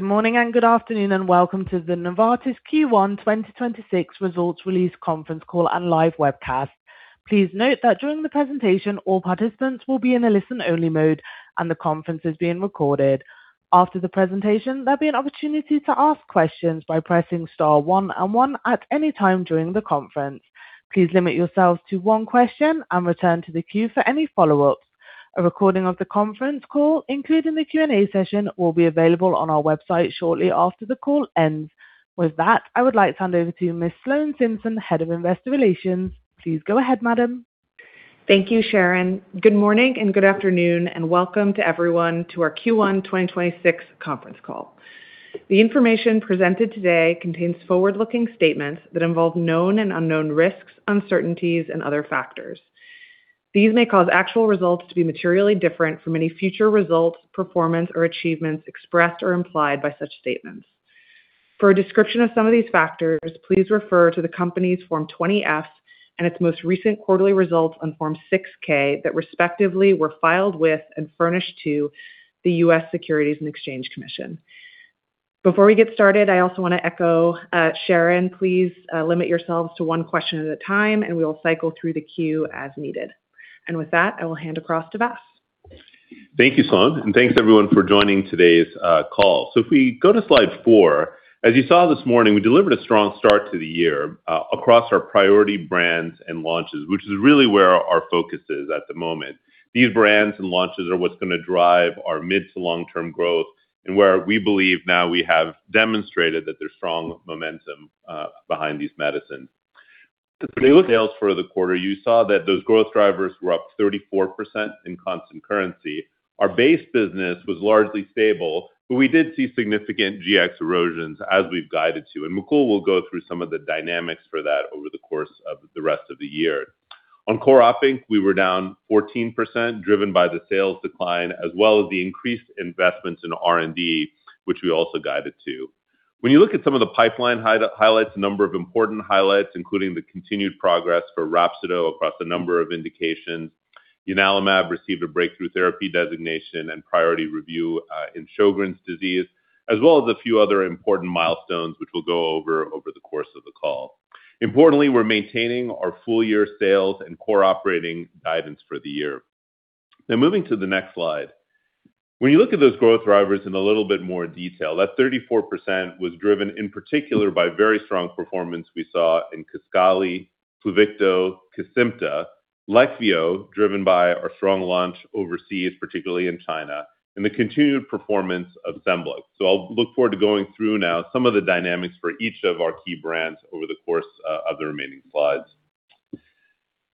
Good morning and good afternoon, welcome to the Novartis Q1 2026 results release conference call and live webcast. Please note that during the presentation, all participants will be in a listen-only mode and the conference is being recorded. After the presentation, there will be an opportunity to ask questions by pressing star one and one at any time during the conference. Please limit yourselves to one question and return to the queue for any follow-ups. A recording of the conference call, including the Q&A session, will be available on our website shortly after the call ends. With that, I would like to hand over to Ms. Sloan Simpson, Head of Investor Relations. Please go ahead, madam. Thank you, Sharon. Good morning and good afternoon, welcome to everyone to our Q1 2026 conference call. The information presented today contains forward-looking statements that involve known and unknown risks, uncertainties, and other factors. These may cause actual results to be materially different from any future results, performance, or achievements expressed or implied by such statements. For a description of some of these factors, please refer to the company's Form 20-F and its most recent quarterly results on Form 6-K that respectively were filed with and furnished to the U.S. Securities and Exchange Commission. Before we get started, I also want to echo, Sharon, please limit yourselves to one question at a time, we will cycle through the queue as needed. With that, I will hand across to Vas. Thank you, Sloan. Thanks everyone for joining today's call. If we go to slide four, as you saw this morning, we delivered a strong start to the year across our priority brands and launches, which is really where our focus is at the moment. These brands and launches are what's going to drive our mid to long-term growth and where we believe now we have demonstrated that there's strong momentum behind these medicines. When you look at sales for the quarter, you saw that those growth drivers were up 34% in constant currency. Our base business was largely stable, but we did see significant GX erosions as we've guided to, and Mukul will go through some of the dynamics for that over the course of the rest of the year. On core OPinc, we were down 14% driven by the sales decline as well as the increased investments in R&D, which we also guided to. When you look at some of the pipeline highlights, a number of important highlights, including the continued progress for Rhapsido across a number of indications. ianalumab received a breakthrough therapy designation and priority review in Sjögren's disease, as well as a few other important milestones which we'll go over over the course of the call. We're maintaining our full-year sales and core operating guidance for the year. Moving to the next slide. When you look at those growth drivers in a little bit more detail, that 34% was driven in particular by very strong performance we saw in Kisqali, Pluvicto, Kesimpta, Leqvio, driven by our strong launch overseas, particularly in China, and the continued performance of Scemblix. I'll look forward to going through now some of the dynamics for each of our key brands over the course of the remaining slides.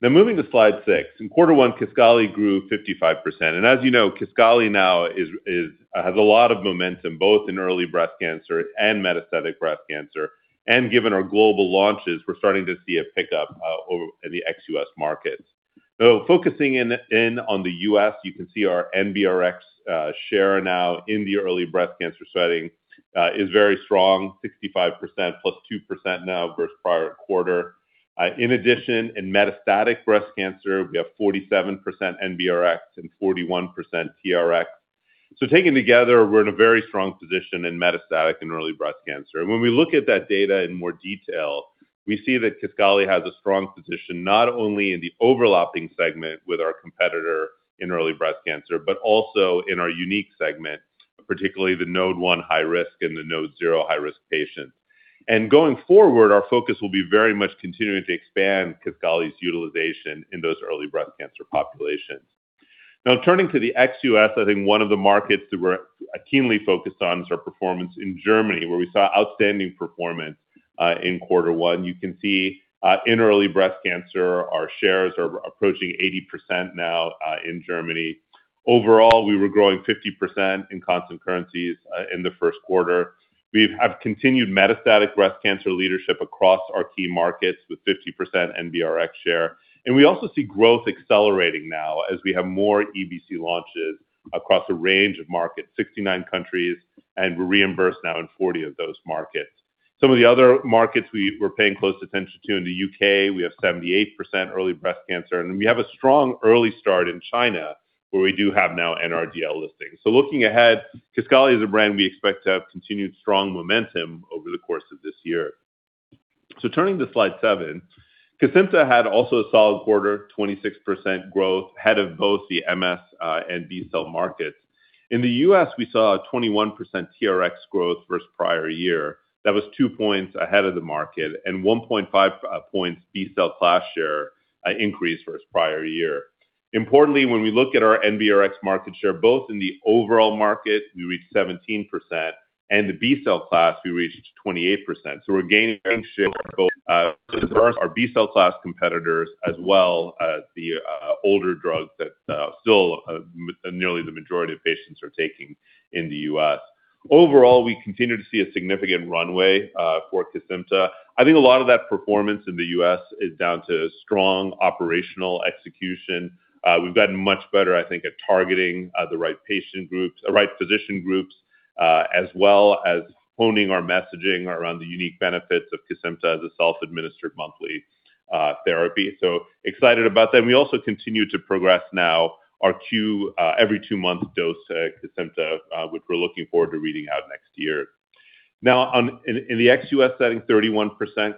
Now moving to slide six. In quarter one, Kisqali grew 55%. As you know, Kisqali now has a lot of momentum, both in Early Breast Cancer and Metastatic Breast Cancer. Given our global launches, we're starting to see a pickup over in the ex-U.S. markets. Focusing in on the U.S., you can see our NBRX share now in the Early Breast Cancer setting is very strong, 65% + 2% now versus prior quarter. In addition, in Metastatic Breast Cancer, we have 47% NBRX and 41% TRX. Taken together, we're in a very strong position in metastatic and Early Breast Cancer. When we look at that data in more detail, we see that Kisqali has a strong position, not only in the overlapping segment with our competitor in Early Breast Cancer, but also in our unique segment, particularly the node one high risk and the node zero high risk patients. Going forward, our focus will be very much continuing to expand Kisqali's utilization in those Early Breast Cancer populations. Turning to the ex-U.S., I think one of the markets that we're keenly focused on is our performance in Germany, where we saw outstanding performance in Q1. You can see, in Early Breast Cancer, our shares are approaching 80% now in Germany. Overall, we were growing 50% in constant currencies in the first quarter. We have continued Metastatic Breast Cancer leadership across our key markets with 50% NBRX share. We also see growth accelerating now as we have more EBC launches across a range of markets, 69 countries, and we're reimbursed now in 40 of those markets. Some of the other markets we're paying close attention to in the U.K., we have 78% Early Breast Cancer, and we have a strong early start in China, where we do have now NRDL listings. Looking ahead, Kisqali is a brand we expect to have continued strong momentum over the course of this year. Turning to slide seven. Kesimpta had also a solid quarter, 26% growth ahead of both the MS and B-cell markets. In the U.S., we saw a 21% TRX growth versus prior year. That was 2 points ahead of the market and 1.5 points B-cell class share increase versus prior year. Importantly, when we look at our NBRX market share, both in the overall market, we reached 17%, and the B-cell class, we reached 28%. We're gaining share both versus our B-cell class competitors as well as the older drugs that still nearly the majority of patients are taking in the U.S. Overall, we continue to see a significant runway for Kesimpta. I think a lot of that performance in the U.S. is down to strong operational execution. We've gotten much better, I think, at targeting the right patient groups, the right physician groups, as well as honing our messaging around the unique benefits of Kesimpta as a self-administered monthly therapy. Excited about that. We also continue to progress now our every 2-month dose, Kesimpta, which we're looking forward to reading out next year. In the ex-U.S. setting, 31%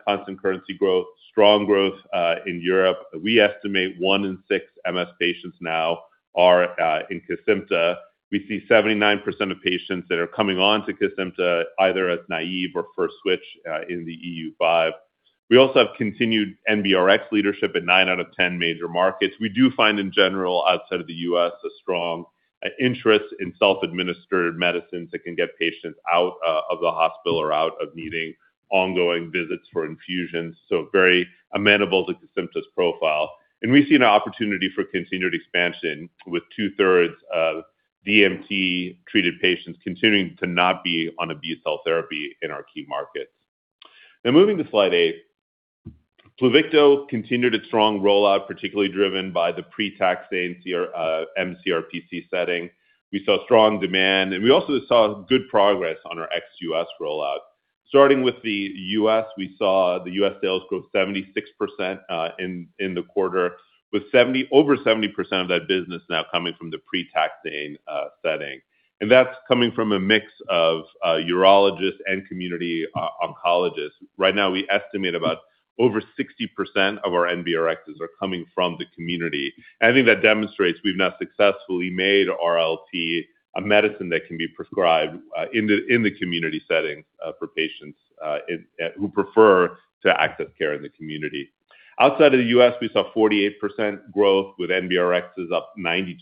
constant currency growth, strong growth in Europe. We estimate one in six MS patients now are in Kesimpta. We see 79% of patients that are coming onto Kesimpta either as naive or first switch in the E.U. 5. We also have continued NBRX leadership in 9 out of 10 major markets. We do find in general, outside of the U.S., a strong interest in self-administered medicines that can get patients out of the hospital or out of needing ongoing visits for infusions, so very amenable to Kesimpta's profile. We see an opportunity for continued expansion with two-thirds of DMT-treated patients continuing to not be on a B-cell therapy in our key markets. Now moving to slide eight. Pluvicto continued its strong rollout, particularly driven by the pre-taxane mCRPC setting. We saw strong demand, and we also saw good progress on our ex-U.S. rollout. Starting with the U.S., we saw the U.S. sales grow 76% in the quarter with over 70% of that business now coming from the pre-taxane setting. That's coming from a mix of urologists and community oncologists. Right now, we estimate about over 60% of our NBRXs are coming from the community. I think that demonstrates we've now successfully made RLT a medicine that can be prescribed in the community setting for patients who prefer to access care in the community. Outside of the U.S., we saw 48% growth with NBRXs up 92%.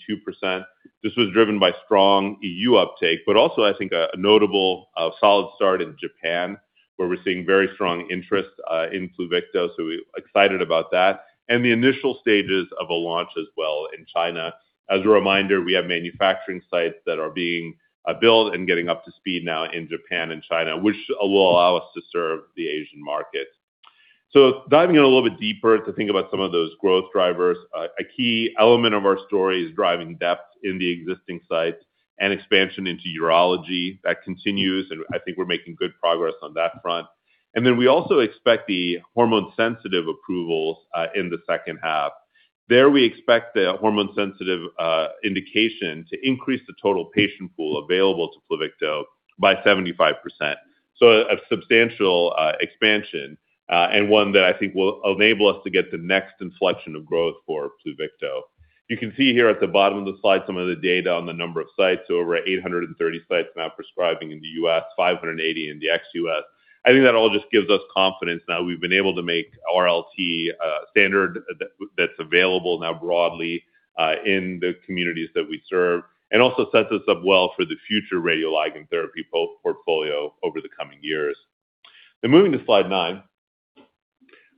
This was driven by strong E.U. uptake, but also I think a notable solid start in Japan, where we're seeing very strong interest in Pluvicto, so excited about that, and the initial stages of a launch as well in China. As a reminder, we have manufacturing sites that are being built and getting up to speed now in Japan and China, which will allow us to serve the Asian markets. Diving in a little bit deeper to think about some of those growth drivers, a key element of our story is driving depth in the existing sites and expansion into urology. That continues, and I think we're making good progress on that front. We also expect the hormone-sensitive approvals in the second half. There we expect the hormone-sensitive indication to increase the total patient pool available to Pluvicto by 75%. A substantial expansion, and one that I think will enable us to get the next inflection of growth for Pluvicto. You can see here at the bottom of the slide some of the data on the number of sites, so over 830 sites now prescribing in the U.S., 580 in the ex-U.S. I think that all just gives us confidence now we've been able to make RLT a standard that's available now broadly in the communities that we serve, and also sets us up well for the future Radioligand Therapy portfolio over the coming years. Moving to slide nine.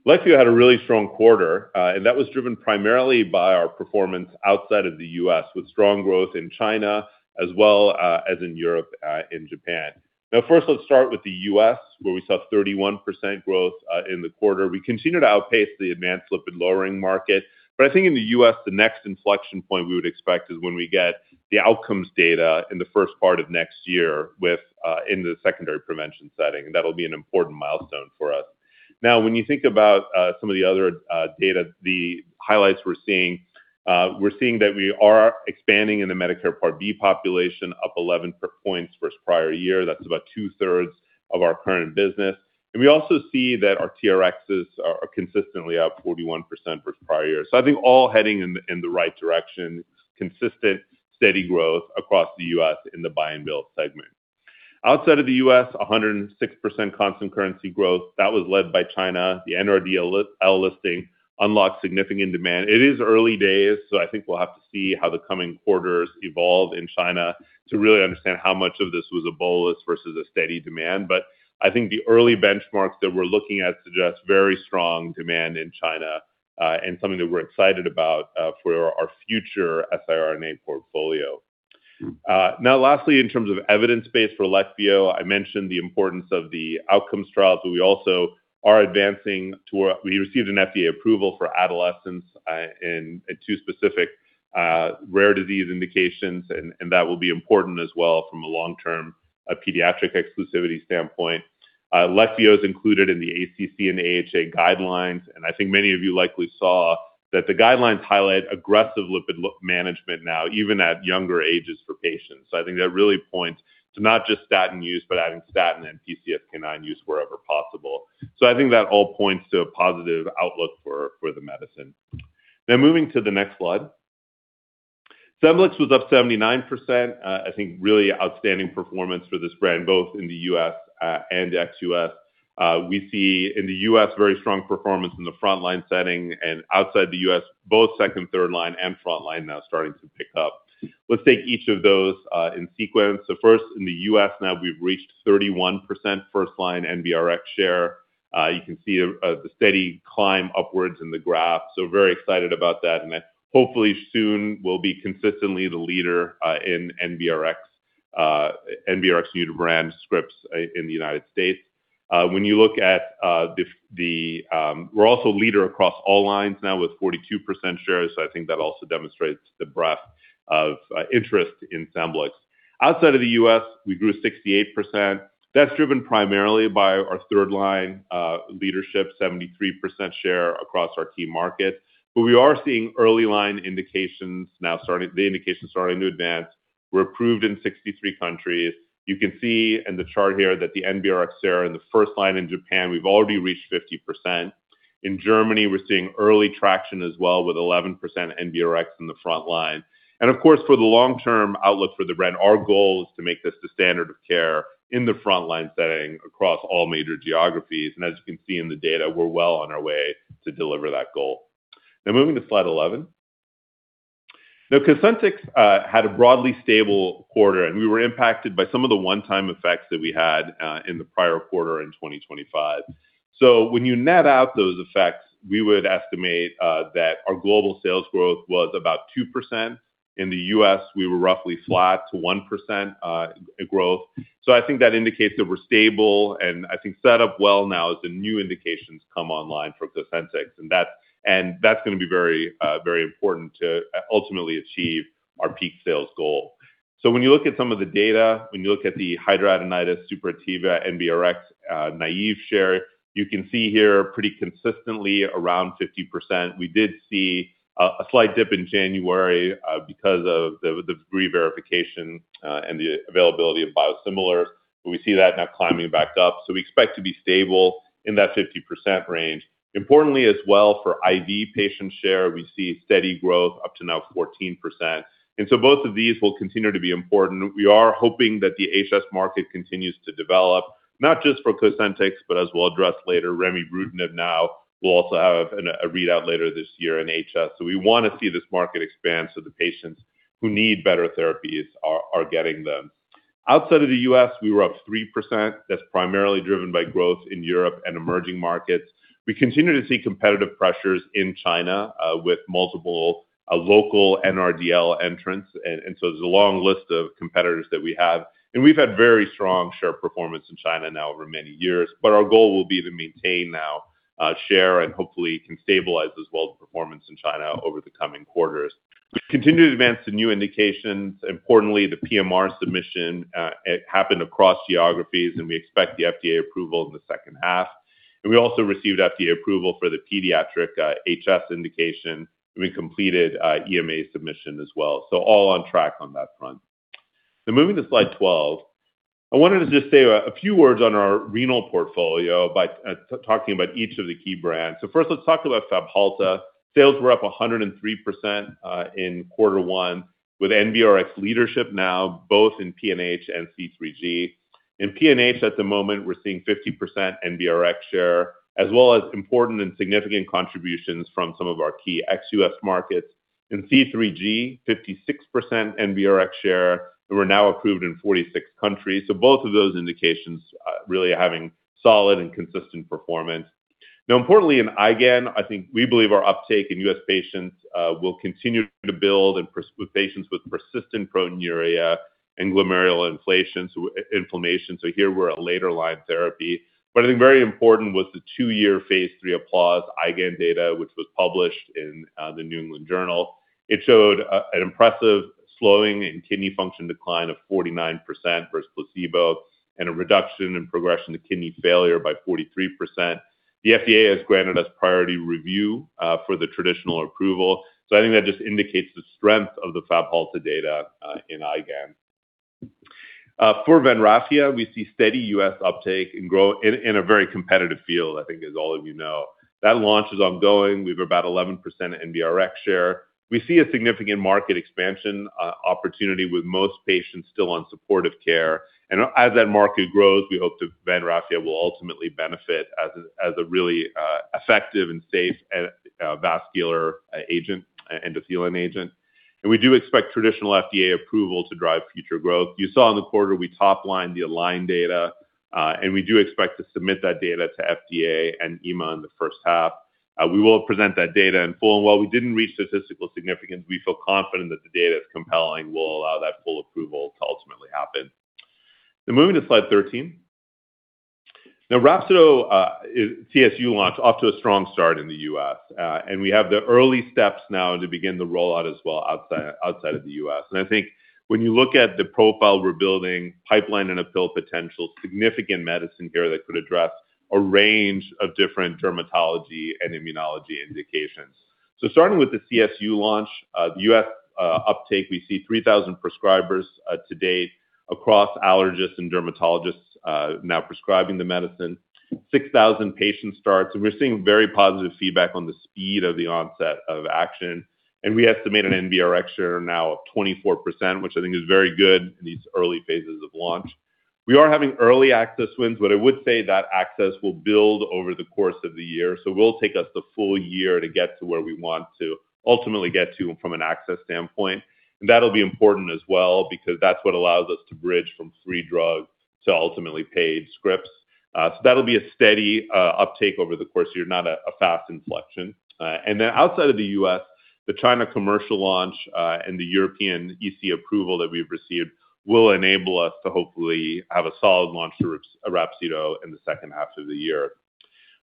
Leqvio had a really strong quarter, and that was driven primarily by our performance outside of the U.S., with strong growth in China as well as in Europe and Japan. First, let's start with the U.S., where we saw 31% growth in the quarter. We continue to outpace the advanced lipid-lowering market. I think in the U.S., the next inflection point we would expect is when we get the outcomes data in the first part of next year in the secondary prevention setting. That'll be an important milestone for us. When you think about some of the other data, the highlights we're seeing, we're seeing that we are expanding in the Medicare Part B population, up 11 points versus prior year. That's about two-thirds of our current business. We also see that our TRXs are consistently up 41% versus prior year. I think all heading in the right direction, consistent, steady growth across the U.S. in the buy and bill segment. Outside of the U.S., 106% constant currency growth. That was led by China. The NRDL listing unlocked significant demand. It is early days, I think we'll have to see how the coming quarters evolve in China to really understand how much of this was a bolus versus a steady demand. I think the early benchmarks that we're looking at suggest very strong demand in China, and something that we're excited about for our future siRNA portfolio. Now lastly, in terms of evidence base for Leqvio, I mentioned the importance of the outcomes trials, but we also are advancing to where we received an FDA approval for adolescents, in two specific rare disease indications, and that will be important as well from a long-term pediatric exclusivity standpoint. Leqvio is included in the ACC and AHA guidelines, and I think many of you likely saw that the guidelines highlight aggressive lipid management now, even at younger ages for patients. I think that really points to not just statin use, but adding statin and PCSK9 use wherever possible. I think that all points to a positive outlook for the medicine. Now moving to the next slide. Scemblix was up 79%. I think really outstanding performance for this brand, both in the U.S. and ex-U.S. We see in the U.S. very strong performance in the front-line setting, and outside the U.S., both second, third line and front line now starting to pick up. Let's take each of those in sequence. First, in the U.S. now, we've reached 31% first-line NBRX share. You can see the steady climb upwards in the graph. Very excited about that, and that hopefully soon will be consistently the leader in NBRX new to brand scripts in the United States. When you look at the We're also leader across all lines now with 42% share. I think that also demonstrates the breadth of interest in Scemblix. Outside of the U.S., we grew 68%. That's driven primarily by our third line leadership, 73% share across our key markets. We are seeing early line indications now starting to advance. We're approved in 63 countries. You can see in the chart here that the NBRX share in the first line in Japan, we've already reached 50%. In Germany, we're seeing early traction as well with 11% NBRX in the frontline. Of course, for the long-term outlook for the brand, our goal is to make this the standard of care in the frontline setting across all major geographies. As you can see in the data, we're well on our way to deliver that goal. Moving to slide 11. Cosentyx had a broadly stable quarter, and we were impacted by some of the one-time effects that we had in the prior quarter in 2025. When you net out those effects, we would estimate that our global sales growth was about 2%. In the U.S., we were roughly flat to 1% growth. I think that indicates that we're stable, and I think set up well now as the new indications come online for Cosentyx. That's gonna be very, very important to ultimately achieve our peak sales goal. When you look at some of the data, when you look at the hidradenitis suppurativa NBRX naive share, you can see here pretty consistently around 50%. We did see a slight dip in January because of the reverification and the availability of biosimilars. We see that now climbing back up, so we expect to be stable in that 50% range. Importantly as well for IV patient share, we see steady growth up to now 14%. Both of these will continue to be important. We are hoping that the HS market continues to develop, not just for Cosentyx, but as we'll address later, remibrutinib now will also have a readout later this year in HS. We want to see this market expand so the patients who need better therapies are getting them. Outside of the U.S., we were up 3%. That's primarily driven by growth in Europe and emerging markets. We continue to see competitive pressures in China, with multiple local NRDL entrants. There's a long list of competitors that we have. We've had very strong share performance in China now over many years. Our goal will be to maintain now share and hopefully can stabilize as well the performance in China over the coming quarters. We've continued to advance the new indications. Importantly, the PMR submission, it happened across geographies, and we expect the FDA approval in the second half. We also received FDA approval for the pediatric HS indication, and we completed EMA submission as well. All on track on that front. Moving to slide 12. I wanted to just say a few words on our renal portfolio by talking about each of the key brands. First let's talk about Fabhalta. Sales were up 103% in quarter one with NBRX leadership now both in PNH and C3G. In PNH at the moment, we're seeing 50% NBRX share, as well as important and significant contributions from some of our key ex-U.S. markets. In C3G, 56% NBRX share, we're now approved in 46 countries. Both of those indications really having solid and consistent performance. Now importantly in IgAN, I think we believe our uptake in U.S. patients will continue to build with patients with persistent proteinuria and glomerular inflammation. Here we're a later line therapy. I think very important was the two-year phase III APPLAUSE IgAN data which was published in The New England Journal of Medicine. It showed an impressive slowing in kidney function decline of 49% versus placebo and a reduction in progression to kidney failure by 43%. The FDA has granted us priority review for the traditional approval. I think that just indicates the strength of the Fabhalta data in IgAN. For VANRAFIA, we see steady U.S. uptake and growth in a very competitive field, I think as all of you know. That launch is ongoing. We have about 11% NBRX share. We see a significant market expansion opportunity with most patients still on supportive care. As that market grows, we hope the VANRAFIA will ultimately benefit as a really effective and safe vascular agent, endothelin agent. We do expect traditional FDA approval to drive future growth. You saw in the quarter we top-lined the ALIGN data, and we do expect to submit that data to FDA and EMA in the first half. We will present that data in full. While we didn't reach statistical significance, we feel confident that the data is compelling, will allow that full approval to ultimately happen. Moving to slide 13. Rhapsido, CSU launch off to a strong start in the U.S. We have the early steps now to begin the rollout as well outside of the U.S. I think when you look at the profile we're building, pipeline in a pill potential, significant medicine here that could address a range of different dermatology and immunology indications. Starting with the CSU launch, the U.S. uptake, we see 3,000 prescribers to date across allergists and dermatologists now prescribing the medicine. 6,000 patient starts, and we're seeing very positive feedback on the speed of the onset of action. We estimate an NBRX share now of 24%, which I think is very good in these early phases of launch. We are having early access wins, but I would say that access will build over the course of the year. It will take us the full year to get to where we want to ultimately get to from an access standpoint. That'll be important as well because that's what allows us to bridge from free drugs to ultimately paid scripts. That'll be a steady uptake over the course of the year, not a fast inflection. Outside of the U.S., the China commercial launch, and the European EC approval that we've received will enable us to hopefully have a solid launch to Rhapsido in the second half of the year.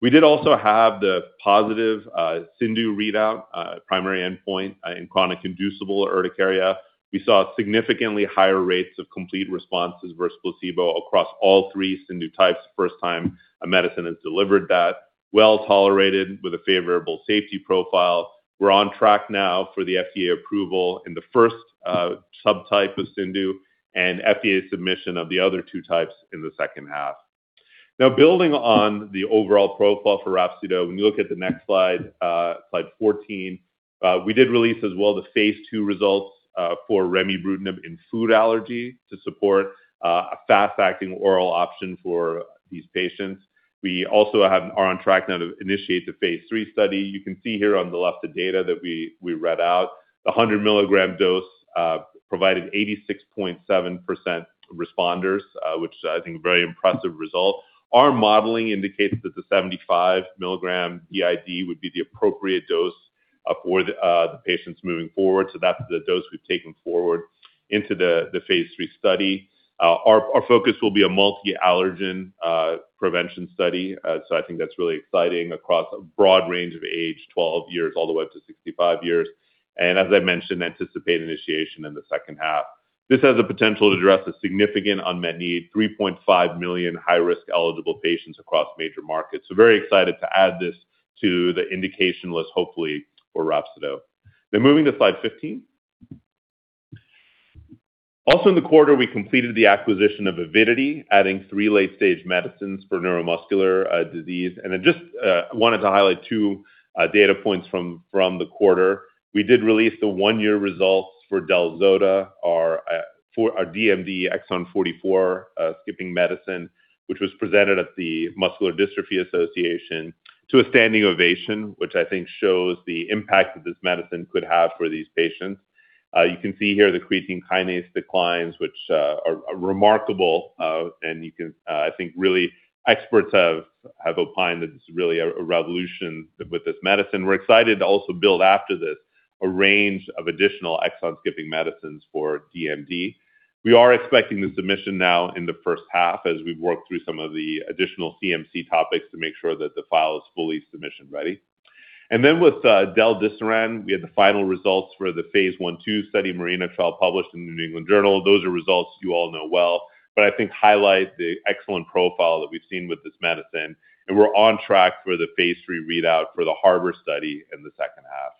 We did also have the positive CIndU readout, primary endpoint, in chronic inducible urticaria. We saw significantly higher rates of complete responses versus placebo across all three CIndU types. First time a medicine has delivered that. Well-tolerated with a favorable safety profile. We're on track now for the FDA approval in the first subtype of CSU and FDA submission of the other two types in the second half. Building on the overall profile for Rhapsido, when you look at the next slide 14, we did release as well the phase II results for remibrutinib in food allergy to support a fast-acting oral option for these patients. We also are on track now to initiate the phase III study. You can see here on the left the data that we read out. The 100-milligram dose provided 86.7% responders, which I think a very impressive result. Our modeling indicates that the 75 milligram BID would be the appropriate dose for the patients moving forward, so that's the dose we've taken forward into the phase III study. Our focus will be a multi-allergen prevention study. I think that's really exciting across a broad range of age, 12 years all the way up to 65 years. As I mentioned, anticipate initiation in the second half. This has the potential to address a significant unmet need, 3.5 million high-risk eligible patients across major markets. Very excited to add this to the indication list, hopefully for Rhapsido. Moving to slide 15. Also in the quarter, we completed the acquisition of Avidity, adding three late-stage medicines for neuromuscular disease. I just wanted to highlight two data points from the quarter. We did release the 1-year results for del-zota, our for our DMD exon 44 skipping medicine, which was presented at the Muscular Dystrophy Association to a standing ovation, which I think shows the impact that this medicine could have for these patients. You can see here the creatine kinase declines, which are remarkable. You can. I think really experts have opined that this is really a revolution with this medicine. We're excited to also build after this a range of additional exon-skipping medicines for DMD. We are expecting the submission now in the first half as we've worked through some of the additional CMC topics to make sure that the file is fully submission-ready. Then with del-desiran, we had the final results for the phase I/II study MARINA trial published in The New England Journal of Medicine. Those are results you all know well, but I think highlight the excellent profile that we've seen with this medicine, and we're on track for the phase III readout for the HARBOR study in the second half.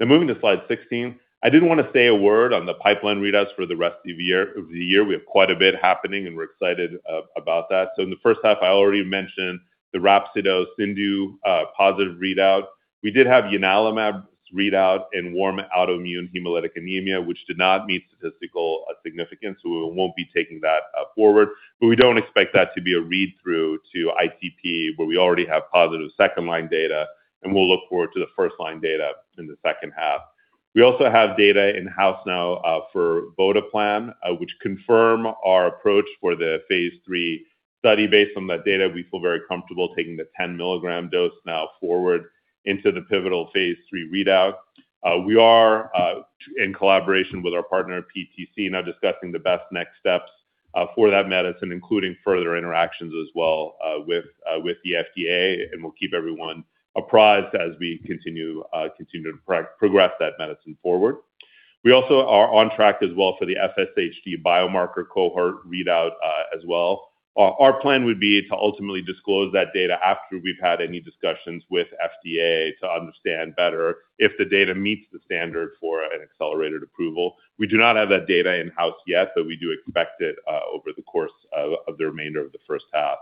Moving to slide 16. I did wanna say a word on the pipeline readouts for the rest of the year. We have quite a bit happening, and we're excited about that. In the first half, I already mentioned the Rhapsido CIndU positive readout. We did have ianalumab's readout in warm autoimmune hemolytic anemia, which did not meet statistical significance, so we won't be taking that forward. We don't expect that to be a read-through to ITP, where we already have positive second-line data, and we'll look forward to the first-line data in the second half. We also have data in-house now for votoplam, which confirm our approach for the phase III study. Based on that data, we feel very comfortable taking the 10-milligram dose now forward into the pivotal phase III readout. We are in collaboration with our partner, PTC, now discussing the best next steps for that medicine, including further interactions as well with the FDA. We'll keep everyone apprised as we continue to progress that medicine forward. We also are on track as well for the FSHD biomarker cohort readout as well. Our plan would be to ultimately disclose that data after we've had any discussions with FDA to understand better if the data meets the standard for an accelerated approval. We do not have that data in-house yet, but we do expect it over the course of the remainder of the first half.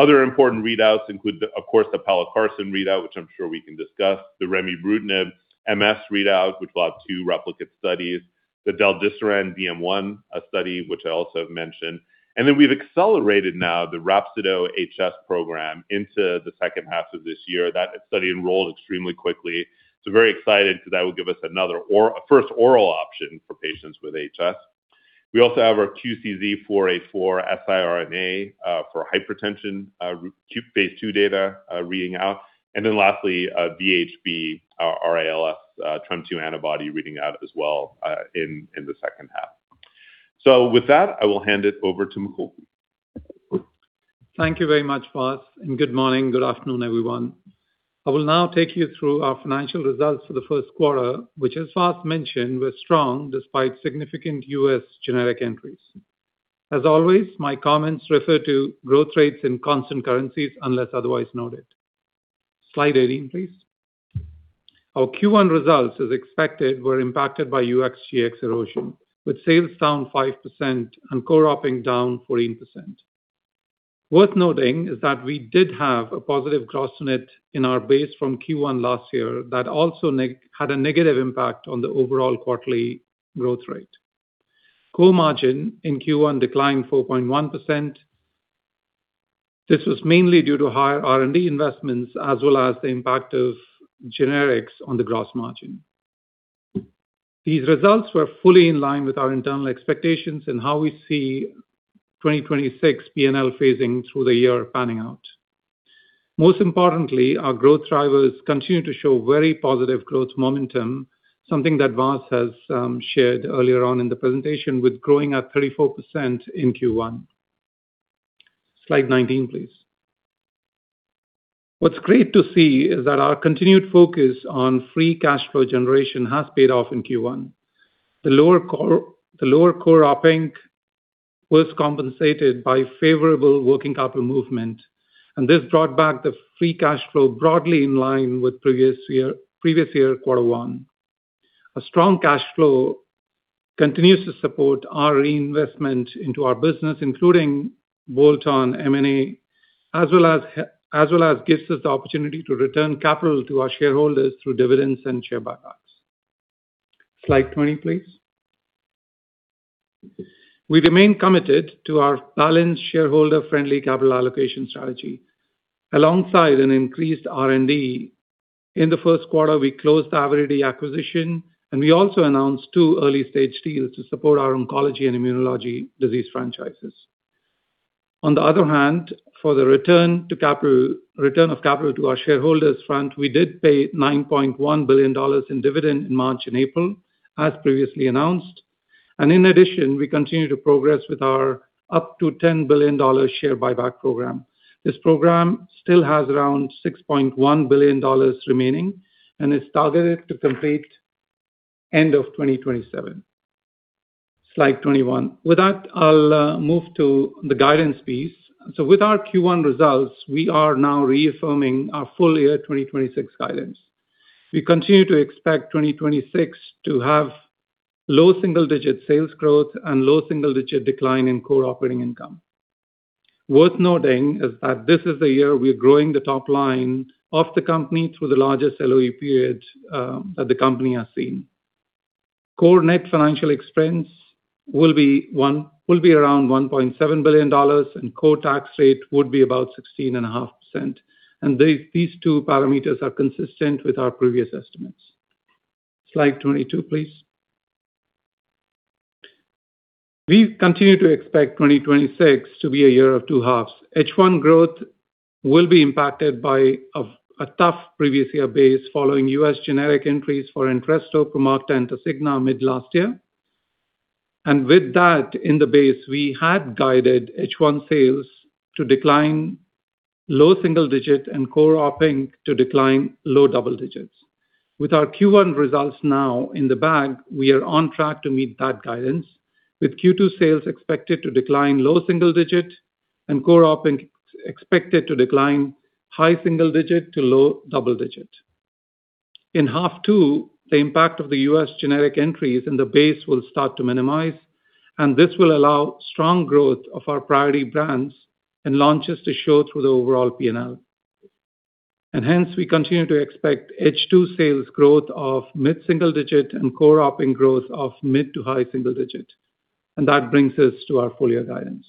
Other important readouts include the, of course, the pelacarsen readout, which I'm sure we can discuss, the remibrutinib MS readout, which we'll have two replicate studies, the del-desiran DM1 study which I also have mentioned. We've accelerated now the Rhapsido HS program into the second half of this year. That study enrolled extremely quickly. Very excited, because that will give us another a first oral option for patients with HS. We also have our QCZ484 siRNA for hypertension phase II data reading out. Lastly, VHB, our ALS, TREM2 antibody reading out as well in the second half. With that, I will hand it over to Mukul. Thank you very much, Vas. Good morning, good afternoon, everyone. I will now take you through our financial results for the first quarter, which as Vas mentioned, were strong despite significant U.S. generic entries. As always, my comments refer to growth rates in constant currencies unless otherwise noted. Slide 18, please. Our Q1 results, as expected, were impacted by U.S. GX erosion, with sales down 5% and core OpEx down 14%. Worth noting is that we did have a positive gross net in our base from Q1 last year that also had a negative impact on the overall quarterly growth rate. Core margin in Q1 declined 4.1%. This was mainly due to higher R&D investments as well as the impact of generics on the gross margin. These results were fully in line with our internal expectations and how we see 2026 P&L phasing through the year panning out. Most importantly, our growth drivers continue to show very positive growth momentum, something that Vas has shared earlier on in the presentation with growing at 34% in Q1. Slide 19, please. What's great to see is that our continued focus on free cash flow generation has paid off in Q1. The lower core OPEX was compensated by favorable working capital movement, and this brought back the free cash flow broadly in line with previous year Q1. A strong cash flow continues to support our reinvestment into our business, including bolt-on M&A, as well as gives us the opportunity to return capital to our shareholders through dividends and share buybacks. Slide 20, please. We remain committed to our balanced, shareholder-friendly capital allocation strategy alongside an increased R&D. In the first quarter, we closed the Avidity acquisition. We also announced two early-stage deals to support our oncology and immunology disease franchises. On the other hand, for the return of capital to our shareholders front, we did pay $9.1 billion in dividend in March and April, as previously announced. In addition, we continue to progress with our up to $10 billion share buyback program. This program still has around $6.1 billion remaining and is targeted to complete end of 2027. Slide 21. With that, I'll move to the guidance piece. With our Q1 results, we are now reaffirming our full year 2026 guidance. We continue to expect 2026 to have low single-digit sales growth and low single-digit decline in core operating income. Worth noting is that this is the year we're growing the top line of the company through the largest LOE period that the company has seen. Core net financial expense will be around $1.7 billion, and core tax rate would be about 16.5%. These two parameters are consistent with our previous estimates. Slide 22, please. We continue to expect 2026 to be a year of two halves. H1 growth will be impacted by a tough previous year base following U.S. generic entries for Entresto, Promacta, and Tecfidera mid-last year. With that in the base, we had guided H1 sales to decline low single digit and core operating to decline low double digits. With our Q1 results now in the bag, we are on track to meet that guidance, with Q2 sales expected to decline low single-digit and core operating expected to decline high single-digit to low double-digit. In half two, the impact of the U.S. generic entries in the base will start to minimize. This will allow strong growth of our priority brands and launches to show through the overall P&L. Hence, we continue to expect H2 sales growth of mid-single-digit and core operating growth of mid-to-high single-digit. That brings us to our full-year guidance.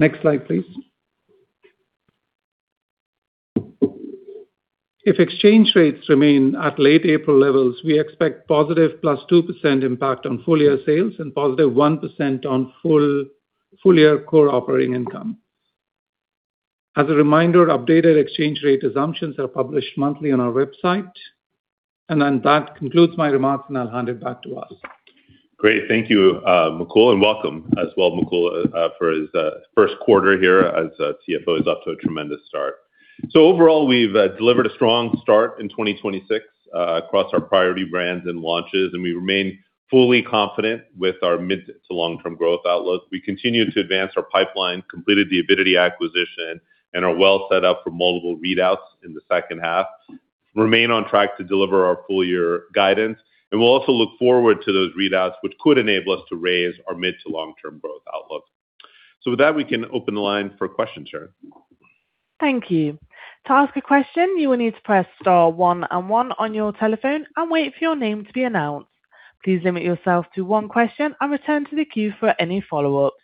Next slide, please. If exchange rates remain at late April levels, we expect positive +2% impact on full-year sales and positive 1% on full-year core operating income. As a reminder, updated exchange rate assumptions are published monthly on our website. That concludes my remarks, and I'll hand it back to Vas. Great. Thank you, Mukul, and welcome as well, Mukul, for his first quarter here as CFO. Overall, we've delivered a strong start in 2026 across our priority brands and launches, and we remain fully confident with our mid to long-term growth outlook. We continue to advance our pipeline, completed the Avidity acquisition, and are well set up for multiple readouts in the second half, remain on track to deliver our full year guidance. We'll also look forward to those readouts, which could enable us to raise our mid to long-term growth outlook. With that, we can open the line for questions, Sharon. Thank you. To ask a question, you will need to press star 1 and 1 on your telephone and wait for your name to be announced. Please limit yourself to 1 question and return to the queue for any follow-ups.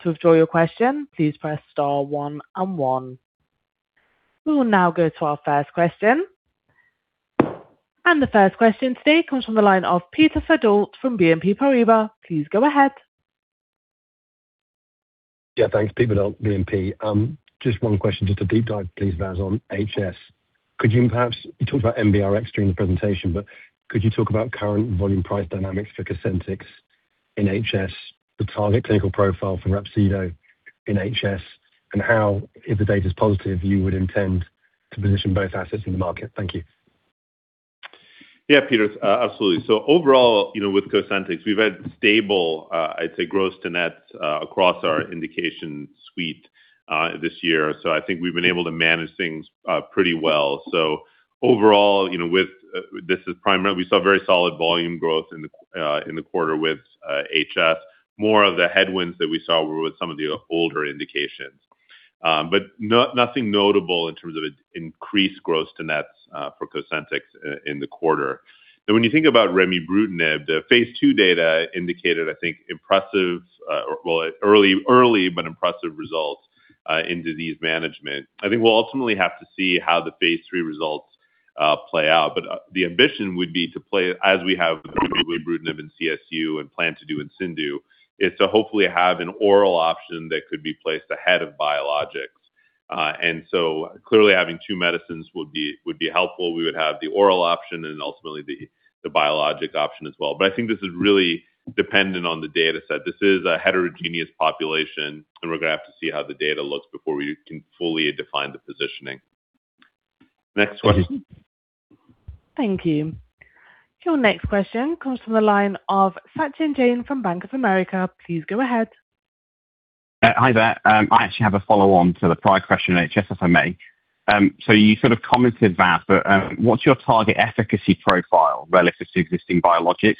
To withdraw your question, please press star 1 and 1. We will now go to our first question. The first question today comes from the line of Peter Verdult from BNP Paribas. Please go ahead. Yeah, thanks. Peter Verdult, BNP. Just one question, just a deep dive, please, Vas, on HS. Could you talked about NBRX during the presentation, but could you talk about current volume price dynamics for Cosentyx in HS, the target clinical profile for Rhapsido in HS, and how, if the data is positive, you would intend to position both assets in the market? Thank you. Yeah, Peter. Absolutely. Overall, you know, with Cosentyx, we've had stable, I'd say, gross to nets across our indication suite this year. I think we've been able to manage things pretty well. Overall, you know, we saw very solid volume growth in the quarter with HS. More of the headwinds that we saw were with some of the older indications. Nothing notable in terms of increased gross to nets for Cosentyx in the quarter. When you think about remibrutinib, the phase II data indicated, I think, impressive, well, early but impressive results in disease management. I think we'll ultimately have to see how the phase III results play out. The ambition would be to play as we have with remibrutinib in CSU and plan to do in CIndU, is to hopefully have an oral option that could be placed ahead of biologics. Clearly having two medicines would be helpful. We would have the oral option and ultimately the biologics option as well. I think this is really dependent on the data set. This is a heterogeneous population, and we're gonna have to see how the data looks before we can fully define the positioning. Next question. Thank you. Your next question comes from the line of Sachin Jain from Bank of America. Please go ahead. Hi there. I actually have a follow-on to the prior question on HS, if I may. You sort of commented, Vas, what's your target efficacy profile relative to existing biologics,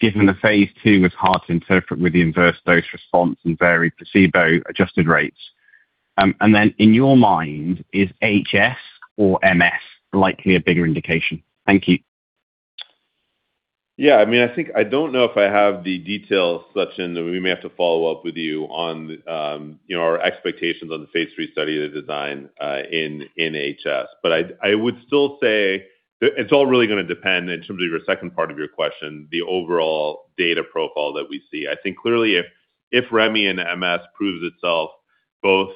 given the phase II was hard to interpret with the inverse dose response and varied placebo adjusted rates? In your mind, is HS or MS likely a bigger indication? Thank you. Yeah, I mean, I think I don't know if I have the details, Sachin. We may have to follow up with you on, you know, our expectations on the phase III study, the design, in HS. I would still say that it's all really gonna depend, in terms of your second part of your question, the overall data profile that we see. I think clearly if remibrutinib in MS proves itself both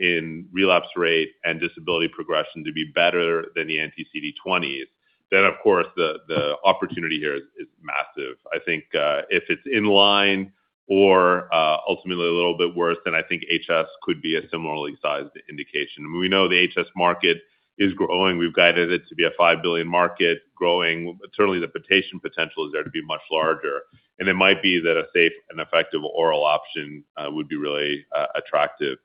in relapse rate and disability progression to be better than the anti-CD20, then of course, the opportunity here is massive. I think if it's in line or ultimately a little bit worse, I think HS could be a similarly sized indication. We know the HS market is growing. We've guided it to be a $5 billion market growing. Certainly, the potential is there to be much larger. It might be that a safe and effective oral option would be really attractive.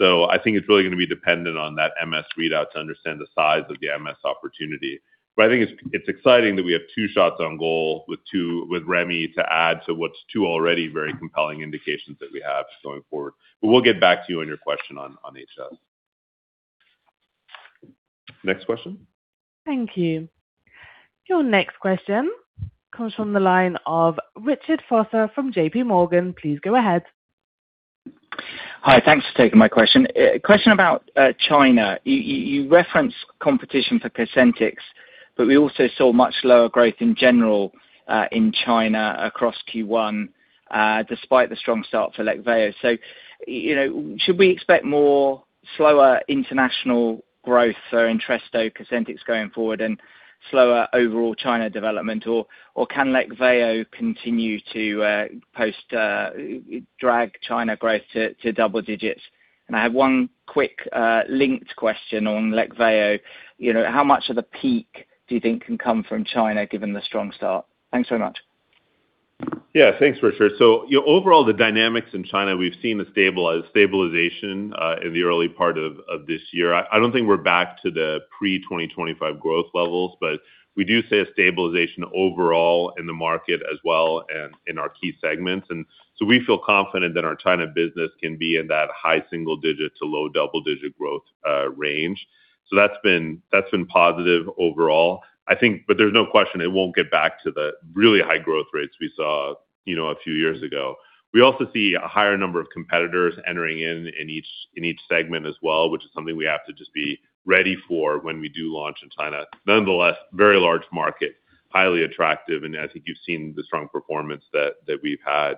I think it's really going to be dependent on that MS readout to understand the size of the MS opportunity. I think it's exciting that we have two shots on goal with remibrutinib to add to what's two already very compelling indications that we have going forward. We'll get back to you on your question on HS. Next question. Thank you. Your next question comes from the line of Richard Vosser from JPMorgan. Please go ahead. Hi. Thanks for taking my question. A question about China. You, you referenced competition for Cosentyx, but we also saw much lower growth in general in China across Q1 despite the strong start for Leqvio. You know, should we expect more slower international growth for Entresto, Cosentyx going forward and slower overall China development or can Leqvio continue to post drag China growth to double digits? I have one quick linked question on Leqvio. You know, how much of the peak do you think can come from China given the strong start? Thanks so much. Thanks, Richard. Overall, the dynamics in China, we've seen a stabilization in the early part of this year. I don't think we're back to the pre-2025 growth levels, but we do see a stabilization overall in the market as well and in our key segments. We feel confident that our China business can be in that high single-digit to low double-digit growth range. That's been positive overall. I think but there's no question it won't get back to the really high growth rates we saw, you know, a few years ago. We also see a higher number of competitors entering in each segment as well, which is something we have to just be ready for when we do launch in China. Very large market, highly attractive, and I think you've seen the strong performance that we've had.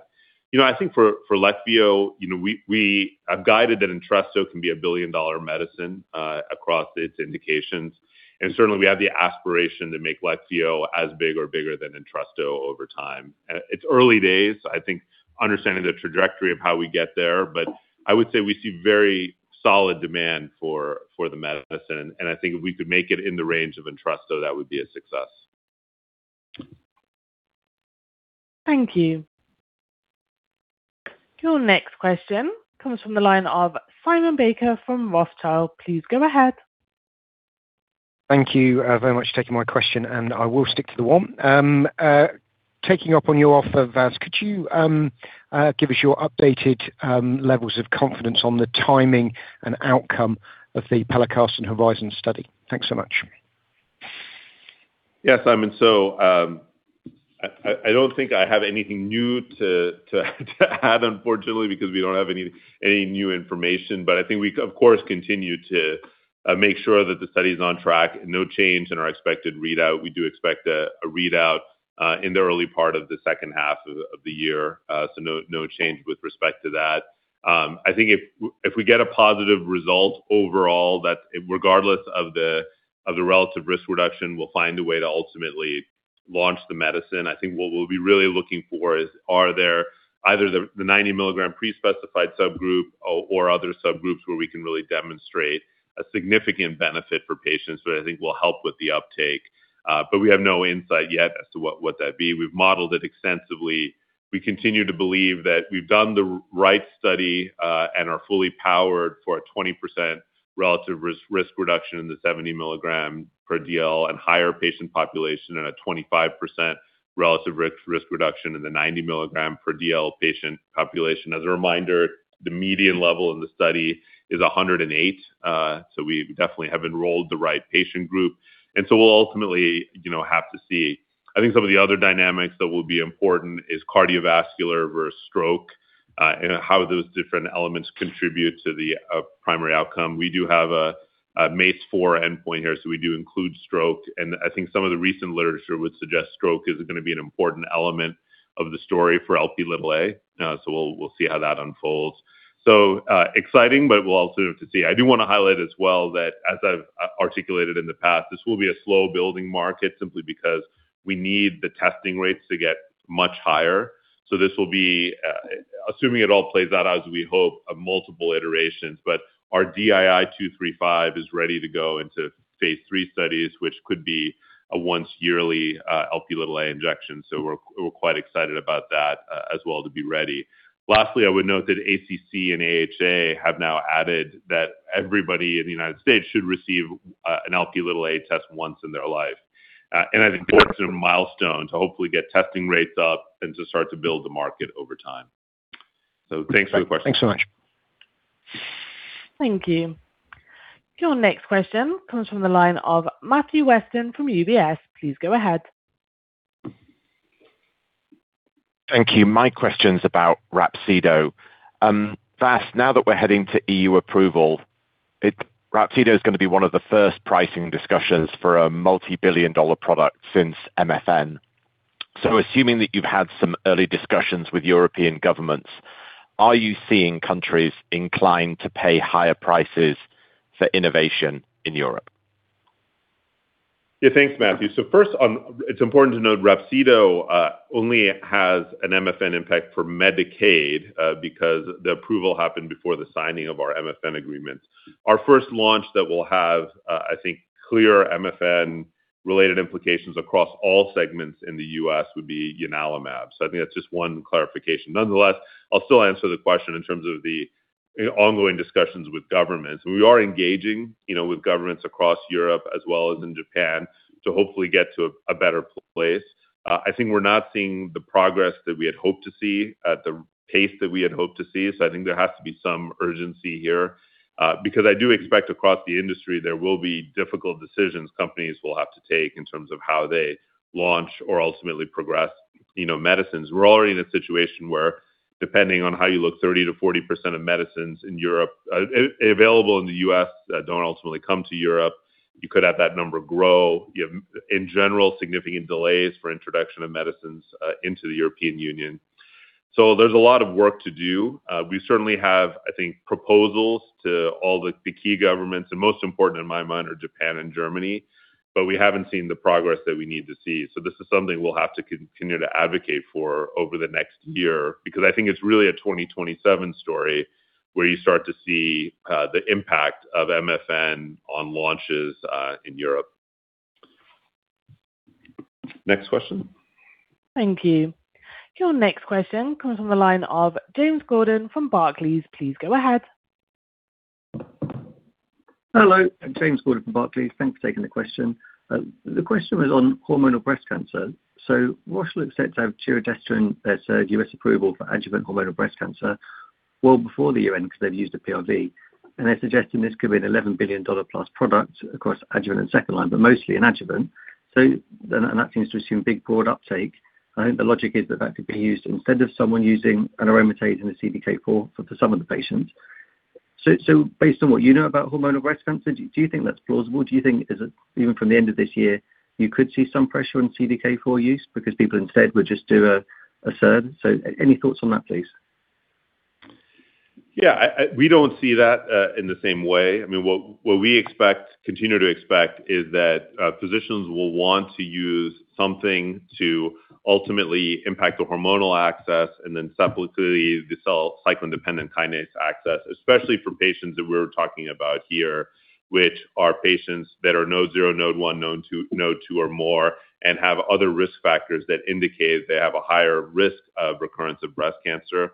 You know, I think for Leqvio, you know, we have guided that Entresto can be a billion-dollar medicine across its indications. Certainly, we have the aspiration to make Leqvio as big or bigger than Entresto over time. It's early days. I think understanding the trajectory of how we get there. I would say we see very solid demand for the medicine, and I think if we could make it in the range of Entresto, that would be a success. Thank you. Your next question comes from the line of Simon Baker from Rothschild. Please go ahead. Thank you very much for taking my question, and I will stick to the one. Taking up on your offer, Vas, could you give us your updated levels of confidence on the timing and outcome of the pelacarsen HORIZON study? Thanks so much. Simon. I don't think I have anything new to add, unfortunately, because we don't have any new information. I think we, of course, continue to make sure that the study is on track. No change in our expected readout. We do expect a readout in the early part of the second half of the year. No change with respect to that. I think if we get a positive result overall, that regardless of the relative risk reduction, we'll find a way to ultimately launch the medicine. I think what we'll be really looking for is, are there either the 90 milligram pre-specified subgroup or other subgroups where we can really demonstrate a significant benefit for patients that I think will help with the uptake. We have no insight yet as to what would that be. We've modeled it extensively. We continue to believe that we've done the right study and are fully powered for a 20% relative risk reduction in the 70 milligram per DL and higher patient population and a 25% relative risk reduction in the 90 milligram per DL patient population. As a reminder, the median level in the study is 108, so we definitely have enrolled the right patient group. We'll ultimately, you know, have to see. I think some of the other dynamics that will be important is cardiovascular versus stroke and how those different elements contribute to the primary outcome. We do have a MACE-4 endpoint here, so we do include stroke. I think some of the recent literature would suggest stroke is going to be an important element of the story for Lp(a). We'll see how that unfolds. Exciting, but we'll also have to see. I do want to highlight as well that as I've articulated in the past, this will be a slow-building market simply because we need the testing rates to get much higher. This will be, assuming it all plays out as we hope, of multiple iterations. Our DII235 is ready to go into phase III studies, which could be a once yearly Lp injection. We're quite excited about that as well to be ready. Lastly, I would note that ACC and AHA have now added that everybody in the U.S. should receive an Lp test once in their life. I think that's an important milestone to hopefully get testing rates up and to start to build the market over time. Thanks for the question. Thanks so much. Thank you. Your next question comes from the line of Matthew Weston from UBS. Please go ahead. Thank you. My question's about Rhapsido. First, now that we're heading to E.U. approval, Rhapsido is gonna be one of the first pricing discussions for a multi-billion dollar product since MFN. Assuming that you've had some early discussions with European governments, are you seeing countries inclined to pay higher prices for innovation in Europe? Thanks, Matthew. It's important to note Rhapsido only has an MFN impact for Medicaid because the approval happened before the signing of our MFN agreement. Our first launch that will have, I think, clear MFN-related implications across all segments in the U.S. would be ianalumab. I think that's just 1 clarification. Nonetheless, I'll still answer the question in terms of the ongoing discussions with governments. We are engaging, you know, with governments across Europe as well as in Japan to hopefully get to a better place. I think we're not seeing the progress that we had hoped to see at the pace that we had hoped to see. I think there has to be some urgency here, because I do expect across the industry there will be difficult decisions companies will have to take in terms of how they launch or ultimately progress, you know, medicines. We're already in a situation where, depending on how you look, 30% to 40% of medicines available in the U.S. that don't ultimately come to Europe, you could have that number grow. You have, in general, significant delays for introduction of medicines into the European Union. There's a lot of work to do. We certainly have, I think, proposals to all the key governments, and most important in my mind are Japan and Germany, but we haven't seen the progress that we need to see. This is something we'll have to continue to advocate for over the next year, because I think it's really a 2027 story where you start to see the impact of MFN on launches in Europe. Next question. Thank you. Your next question comes from the line of James Gordon from Barclays. Please go ahead. Hello, I'm James Gordon from Barclays. Thanks for taking the question. the question was on hormonal breast cancer. Roche looks set to have giredestrant as a U.S. approval for adjuvant hormonal breast cancer well before the E.U. because they've used a PRV, and they're suggesting this could be an $11 billion-plus product across adjuvant and second line, but mostly in adjuvant. That seems to assume big broad uptake. I think the logic is that that could be used instead of someone using an aromatase and a CDK4 for some of the patients. Based on what you know about hormonal breast cancer, do you think that's plausible? Do you think is it even from the end of this year, you could see some pressure on CDK4 use because people instead would just do a SERD? Any thoughts on that, please? Yeah. We don't see that in the same way. I mean, what we expect, continue to expect is that physicians will want to use something to ultimately impact the hormonal access and then subsequently the cell cycle-dependent kinase access, especially for patients that we're talking about here, which are patients that are node 0, node 1, node 2 or more and have other risk factors that indicate they have a higher risk of recurrence of breast cancer.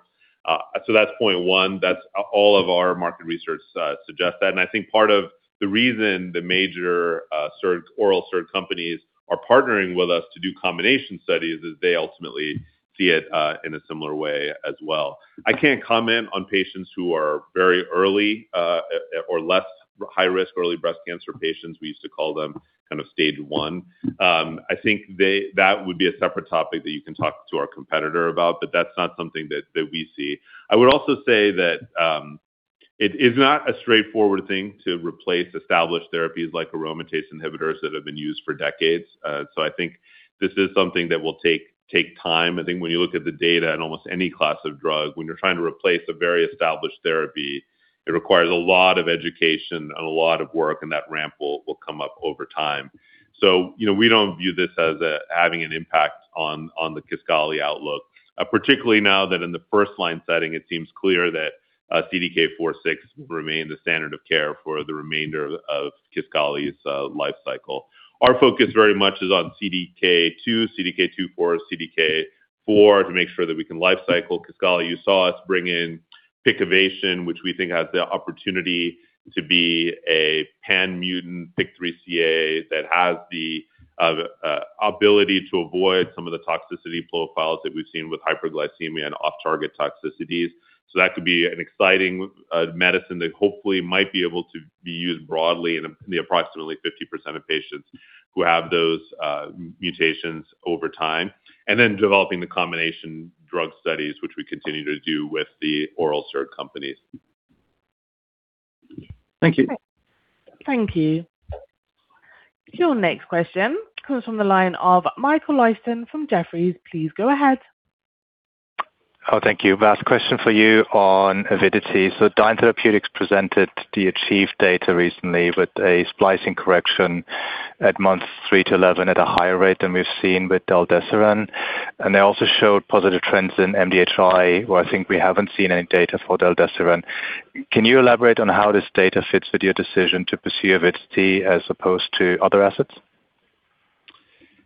That's point 1. That's all of our market research suggests that. I think part of the reason the major SERD, oral SERD companies are partnering with us to do combination studies is they ultimately see it in a similar way as well. I can't comment on patients who are very early or less high-risk Early Breast Cancer patients. We used to call them kind of stage one. I think that would be a separate topic that you can talk to our competitor about, but that's not something that we see. I would also say that it is not a straightforward thing to replace established therapies like aromatase inhibitors that have been used for decades. I think this is something that will take time. I think when you look at the data in almost any class of drug, when you're trying to replace a very established therapy, it requires a lot of education and a lot of work, and that ramp will come up over time. You know, we don't view this as having an impact on the Kisqali outlook, particularly now that in the first line setting it seems clear that CDK4/6 will remain the standard of care for the remainder of Kisqali's life cycle. Our focus very much is on CDK2/4, CDK4 to make sure that we can life cycle Kisqali. You saw us bring in Pikavation, which we think has the opportunity to be a pan-mutant PIK3CA that has the ability to avoid some of the toxicity profiles that we've seen with hyperglycemia and off-target toxicities. That could be an exciting medicine that hopefully might be able to be used broadly in the approximately 50% of patients who have those mutations over time, and then developing the combination drug studies, which we continue to do with the oral SERD companies. Thank you. Thank you. Your next question comes from the line of Michael Leuchten from Jefferies. Please go ahead. Oh, thank you. Vas, question for you on Avidity. Dyne Therapeutics presented the achieved data recently with a splicing correction at month 3 to 11 at a higher rate than we've seen with del-desiran, and they also showed positive trends in MDHI, where I think we haven't seen any data for del-desiran. Can you elaborate on how this data fits with your decision to pursue Avidity as opposed to other assets?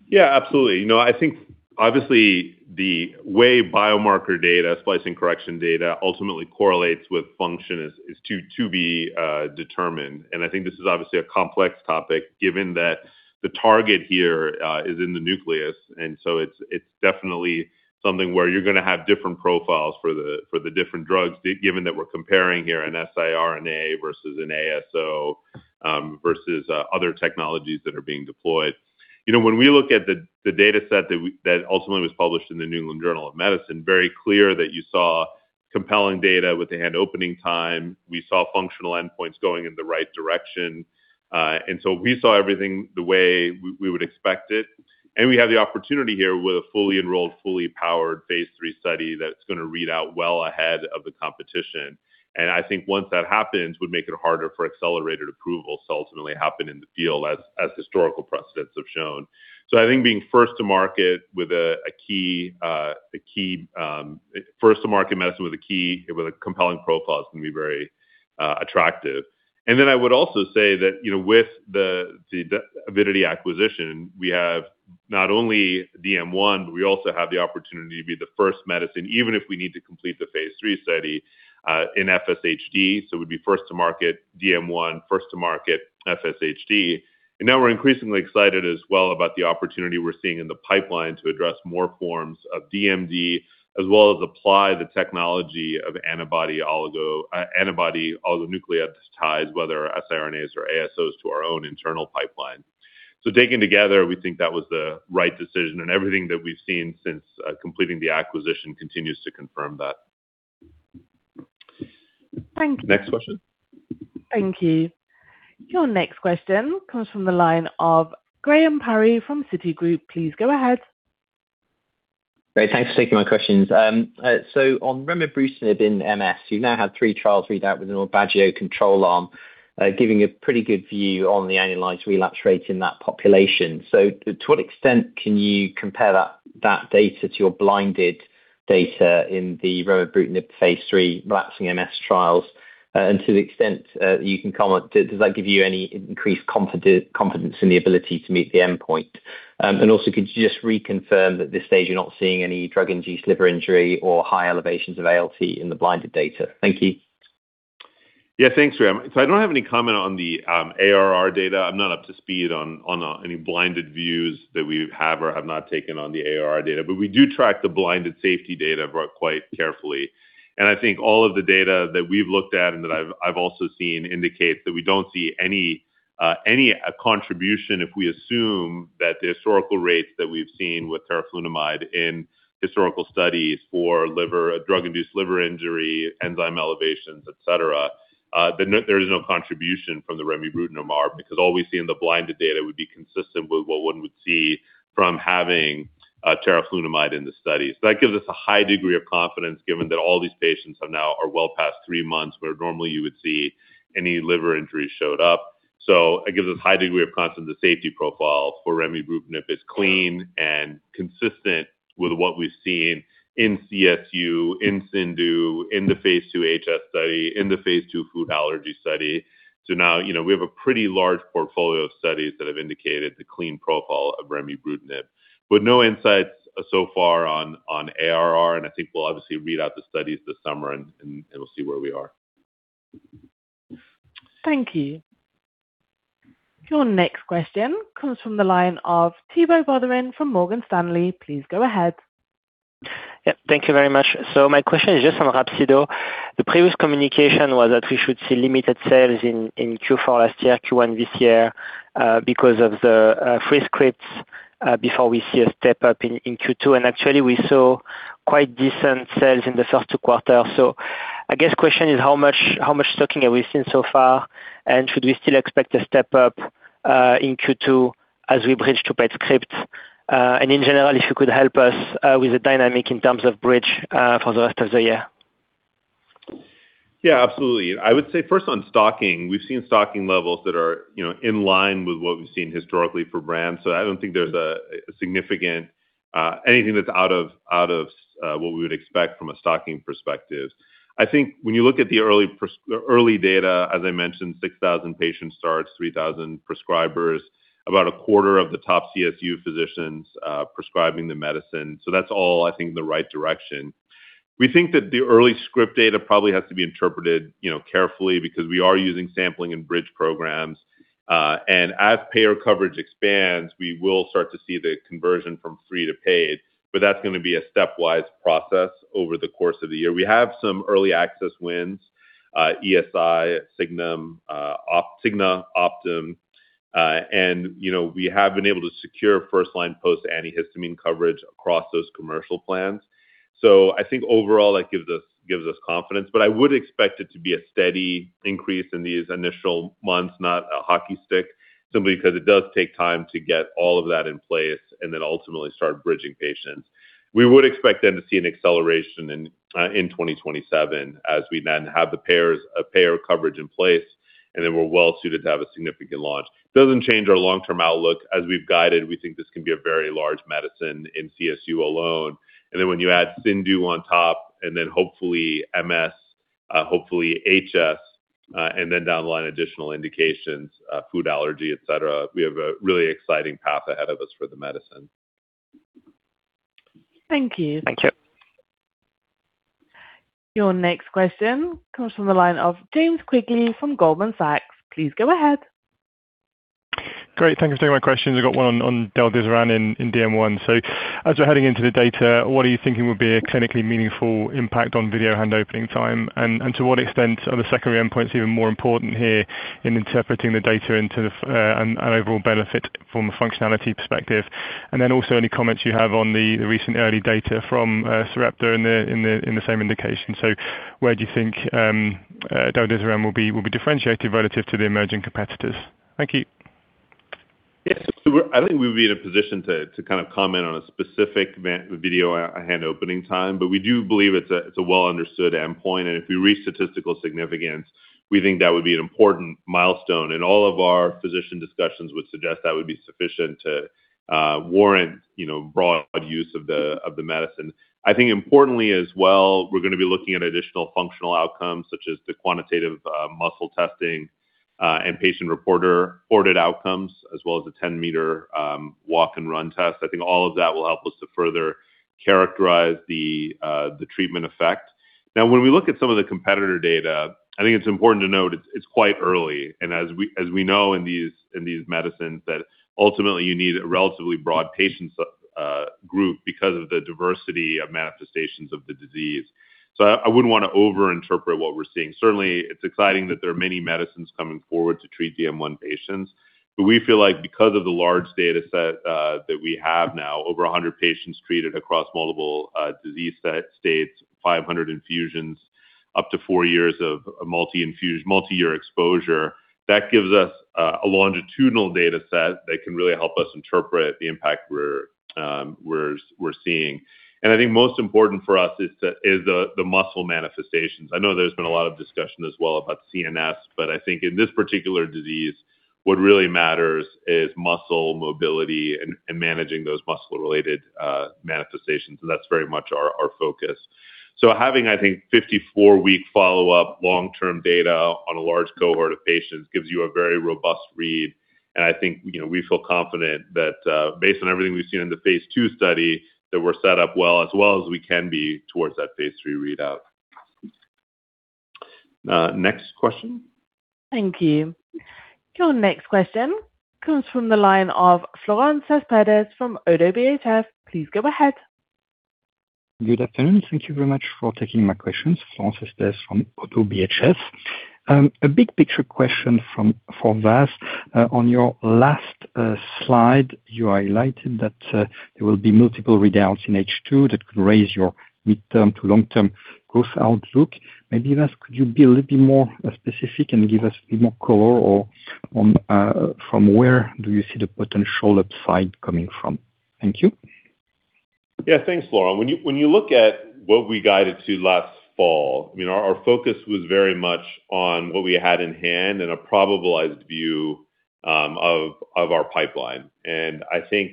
Yeah, absolutely. You know, I think obviously the way biomarker data, splicing correction data ultimately correlates with function is to be determined. I think this is obviously a complex topic given that the target here is in the nucleus. It's definitely something where you're gonna have different profiles for the different drugs given that we're comparing here an siRNA versus an ASO versus other technologies that are being deployed. You know, when we look at the data set that ultimately was published in the New England Journal of Medicine, very clear that you saw compelling data with the hand opening time. We saw functional endpoints going in the right direction. We saw everything the way we would expect it. We have the opportunity here with a fully enrolled, fully powered phase III study that's gonna read out well ahead of the competition. I think once that happens, would make it harder for accelerated approval to ultimately happen in the field as historical precedents have shown. I think being first to market with a key first to market medicine with a key compelling profile is gonna be very attractive. I would also say that, you know, with the Avidity acquisition, we have not only DM1, but we also have the opportunity to be the first medicine, even if we need to complete the phase III study in FSHD. It would be first to market DM1, first to market FSHD. Now we're increasingly excited as well about the opportunity we're seeing in the pipeline to address more forms of DMD, as well as apply the technology of antibody oligonucleotides, whether siRNAs or ASOs, to our own internal pipeline. Taken together, we think that was the right decision, and everything that we've seen since completing the acquisition continues to confirm that. Thank you. Next question. Thank you. Your next question comes from the line of Graham Parry from Citigroup. Please go ahead. Great. Thanks for taking my questions. On remibrutinib in MS, you've now had three trials read out with an Aubagio control arm, giving a pretty good view on the annualized relapse rate in that population. To what extent can you compare that data to your blinded data in the remibrutinib phase III relapsing MS trials? To the extent you can comment, does that give you any increased confidence in the ability to meet the endpoint? Also could you just reconfirm that this stage you're not seeing any drug-induced liver injury or high elevations of ALT in the blinded data? Thank you. Thanks, Graham. I don't have any comment on the ARR data. I'm not up to speed on any blinded views that we have or have not taken on the ARR data. We do track the blinded safety data quite carefully. I think all of the data that we've looked at and that I've also seen indicates that we don't see any contribution, if we assume that the historical rates that we've seen with teriflunomide in historical studies for liver, drug-induced liver injury, enzyme elevations, et cetera, that there is no contribution from the remibrutinib arm because all we see in the blinded data would be consistent with what one would see from having teriflunomide in the study. That gives us a high degree of confidence given that all these patients have now are well past three months, where normally you would see any liver injuries showed up. It gives us a high degree of confidence the safety profile for remibrutinib is clean and consistent with what we've seen in CSU, in CIndU, in the phase II HS study, in the phase II food allergy study. Now, you know, we have a pretty large portfolio of studies that have indicated the clean profile of remibrutinib. No insights so far on ARR, and I think we'll obviously read out the studies this summer and we'll see where we are. Thank you. Your next question comes from the line of Thibault Boutherin from Morgan Stanley. Please go ahead. Yeah. Thank you very much. My question is just on Rhapsido. The previous communication was that we should see limited sales in Q4 last year, Q1 this year, because of the free scripts, before we see a step-up in Q2. Actually we saw quite decent sales in the first two quarters. I guess question is how much stocking have we seen so far? Should we still expect a step-up in Q2 as we bridge to paid script? In general, if you could help us with the dynamic in terms of bridge for the rest of the year. Yeah, absolutely. I would say first on stocking, we've seen stocking levels that are, you know, in line with what we've seen historically for brands. I don't think there's a significant anything that's out of what we would expect from a stocking perspective. I think when you look at the early data, as I mentioned, 6,000 patient starts, 3,000 prescribers, about a quarter of the top CSU physicians prescribing the medicine. That's all, I think, in the right direction. We think that the early script data probably has to be interpreted, you know, carefully because we are using sampling and bridge programs. As payer coverage expands, we will start to see the conversion from free to paid, but that's gonna be a stepwise process over the course of the year. We have some early access wins, ESI, Signum, Cigna, Optum, and, you know, we have been able to secure first-line post antihistamine coverage across those commercial plans. I think overall that gives us confidence. I would expect it to be a steady increase in these initial months, not a hockey stick, simply because it does take time to get all of that in place and then ultimately start bridging patients. We would expect then to see an acceleration in 2027 as we then have the payers, payer coverage in place. Then we're well suited to have a significant launch. Doesn't change our long-term outlook. As we've guided, we think this can be a very large medicine in CSU alone. When you add CIndU on top and then hopefully MS, hopefully HS, and then down the line, additional indications, food allergy, et cetera, we have a really exciting path ahead of us for the medicine. Thank you. Thank you. Your next question comes from the line of James Quigley from Goldman Sachs. Please go ahead. Great. Thank you for taking my questions. I've got 1 on del-desiran in DM1. As we're heading into the data, what are you thinking would be a clinically meaningful impact on video hand opening time? To what extent are the secondary endpoints even more important here in interpreting the data into an overall benefit from a functionality perspective? Also any comments you have on the recent early data from Sarepta in the same indication. Where do you think del-desiran will be differentiated relative to the emerging competitors? Thank you. Yes. We would be in a position to kind of comment on a specific video hand opening time, but we do believe it's a well understood endpoint and if we reach statistical significance, we think that would be an important milestone, and all of our physician discussions would suggest that would be sufficient to warrant, you know, broad use of the medicine. I think importantly as well, we're gonna be looking at additional functional outcomes such as the quantitative muscle testing and patient reported outcomes, as well as a 10-meter walk and run test. I think all of that will help us to further characterize the treatment effect. When we look at some of the competitor data, I think it's important to note it's quite early. As we, as we know in these, in these medicines that ultimately you need a relatively broad patient group because of the diversity of manifestations of the disease. I wouldn't wanna over interpret what we're seeing. Certainly, it's exciting that there are many medicines coming forward to treat DM1 patients. We feel like because of the large dataset that we have now, over 100 patients treated across multiple disease set states, 500 infusions, up to 4 years of multi-year exposure, that gives us a longitudinal dataset that can really help us interpret the impact we're seeing. I think most important for us is the muscle manifestations. I know there's been a lot of discussion as well about CNS, but I think in this particular disease what really matters is muscle mobility and managing those muscle-related manifestations, and that's very much our focus. Having, I think 54-week follow-up long-term data on a large cohort of patients gives you a very robust read and I think, you know, we feel confident that, based on everything we've seen in the phase II study, that we're set up well, as well as we can be towards that phase III readout. Next question. Thank you. Your next question comes from the line of Florent Cespedes from ODDO BHF. Please go ahead. Good afternoon. Thank you very much for taking my questions. Florent Cespedes from ODDO BHF. A big picture question for Vas. On your last slide, you highlighted that there will be multiple readouts in H2 that could raise your midterm to long-term growth outlook. Maybe, Vas, could you be a little bit more specific and give us a bit more color or on from where do you see the potential upside coming from? Thank you. Thanks, Florent. When you look at what we guided to last fall, I mean our focus was very much on what we had in hand and a probabilized view of our pipeline. I think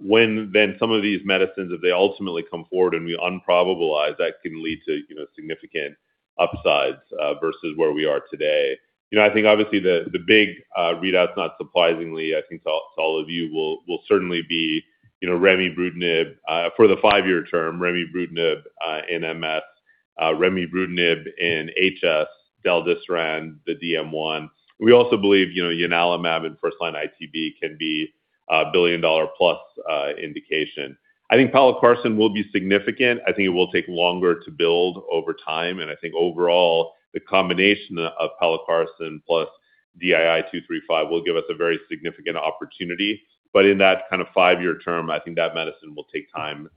when then some of these medicines, if they ultimately come forward and we un-probabilize, that can lead to, you know, significant upsides versus where we are today. You know, I think obviously the big readout's not surprisingly, I think to all of you will certainly be, you know, remibrutinib for the 5-year term, remibrutinib in MS, remibrutinib in HS, del-desiran, the DM1. We also believe, you know, ianalumab in first-line ITP can be a billion-dollar plus indication. I think Pelacarsen will be significant. I think it will take longer to build over time. I think overall the combination of Pelacarsen plus DII235 will give us a very significant opportunity. In that kind of five-year term, I think that medicine will take time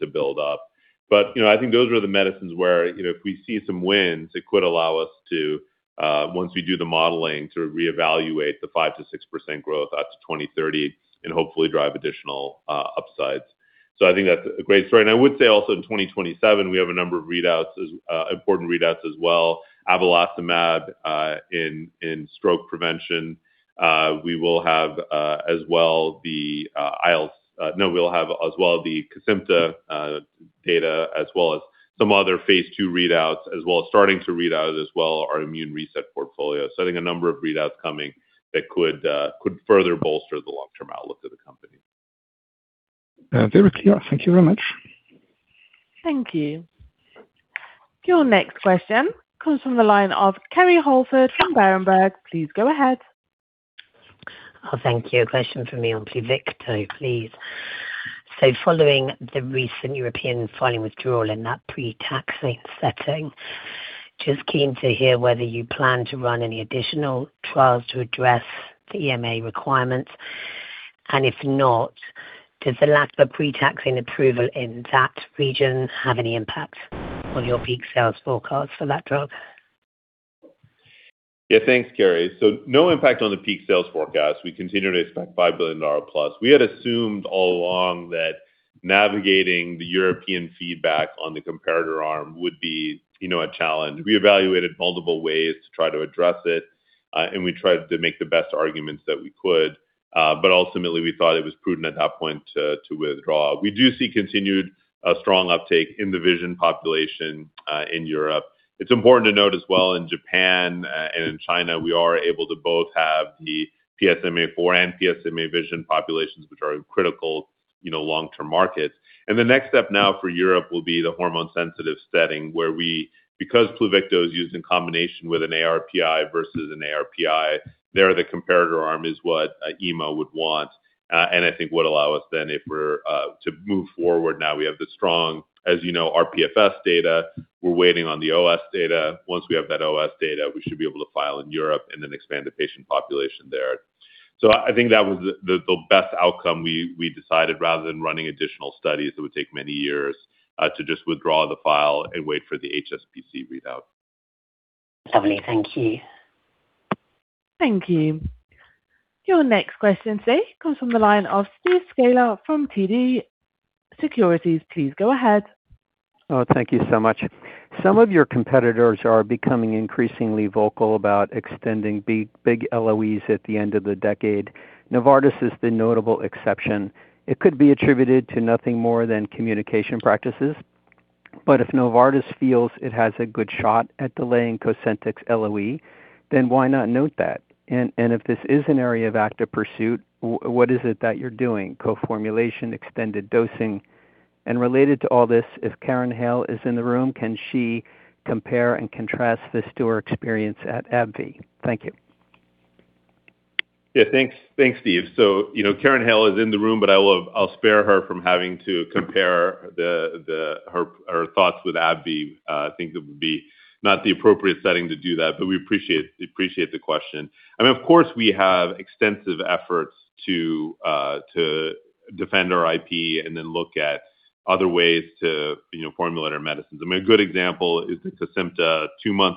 to build up. You know, I think those are the medicines where, you know, if we see some wins, it could allow us once we do the modeling, to reevaluate the 5%-6% growth out to 2030 and hopefully drive additional upsides. I think that's a great story. I would say also in 2027 we have a number of important readouts as well. abelacimab in stroke prevention. We will have as well the ILs. No, we'll have as well the Kesimpta data as well as some other phase II readouts, as well as starting to readout as well our immune reset portfolio. I think a number of readouts coming that could further bolster the long-term outlook of the company. Very clear. Thank you very much. Thank you. Your next question comes from the line of Kerry Holford from Berenberg. Please go ahead. Oh, thank you. A question for me on Pluvicto, please. Following the recent European filing withdrawal in that pre-taxane setting, just keen to hear whether you plan to run any additional trials to address the EMA requirements. If not, does the lack of a pre-taxane approval in that region have any impact on your peak sales forecast for that drug? Yeah, thanks, Kerry. No impact on the peak sales forecast. We continue to expect $5 billion plus. We had assumed all along that navigating the European feedback on the comparator arm would be, you know, a challenge. We evaluated multiple ways to try to address it, and we tried to make the best arguments that we could, but ultimately we thought it was prudent at that point to withdraw. We do see continued strong uptake in the vision population in Europe. It's important to note as well in Japan and in China, we are able to both have the PSMA 4 and PSMA vision populations, which are critical, you know, long-term markets. The next step now for Europe will be the hormone-sensitive setting where because Pluvicto is used in combination with an ARPi versus an ARPi, there the comparator arm is what EMA would want and I think would allow us then if we're to move forward now. We have the strong, as you know, rPFS data. We're waiting on the OS data. Once we have that OS data, we should be able to file in Europe and then expand the patient population there. I think that was the best outcome we decided, rather than running additional studies, it would take many years to just withdraw the file and wait for the HSPC readout. Lovely. Thank you. Thank you. Your next question today comes from the line of Steve Scala from TD Securities. Please go ahead. Thank you so much. Some of your competitors are becoming increasingly vocal about extending big LOEs at the end of the decade. Novartis is the notable exception. It could be attributed to nothing more than communication practices. If Novartis feels it has a good shot at delaying Cosentyx LOE, why not note that? If this is an area of active pursuit, what is it that you're doing? Co-formulation, extended dosing? Related to all this, if Karen Hale is in the room, can she compare and contrast this to her experience at AbbVie? Thank you. Yeah, thanks. Thanks, Steve. You know, Karen Hale is in the room, but I'll spare her from having to compare her thoughts with AbbVie. I think it would be not the appropriate setting to do that, but we appreciate the question. I mean, of course, we have extensive efforts to defend our IP and then look at other ways to, you know, formulate our medicines. I mean, a good example is the Cosentyx 2-month,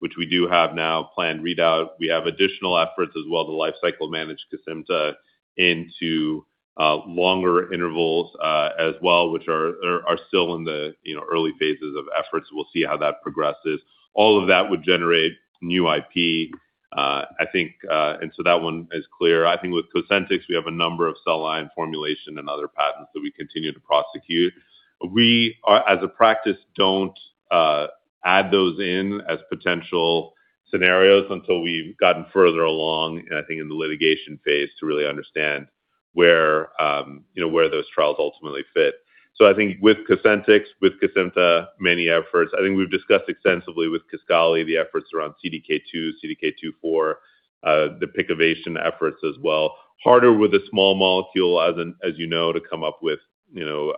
which we do have now planned readout. We have additional efforts as well to lifecycle manage Cosentyx into longer intervals as well, which are still in the, you know, early phases of efforts. We'll see how that progresses. All of that would generate new IP, I think, and so that one is clear. I think with Cosentyx, we have a number of cell line formulation and other patents that we continue to prosecute. We are, as a practice, don't add those in as potential scenarios until we've gotten further along, and I think in the litigation phase to really understand where, you know, where those trials ultimately fit. I think with Cosentyx, with Cosentyx, many efforts. I think we've discussed extensively with Kisqali, the efforts around CDK2, CDK4, the Pikavation efforts as well. Harder with a small molecule as you know, to come up with, you know,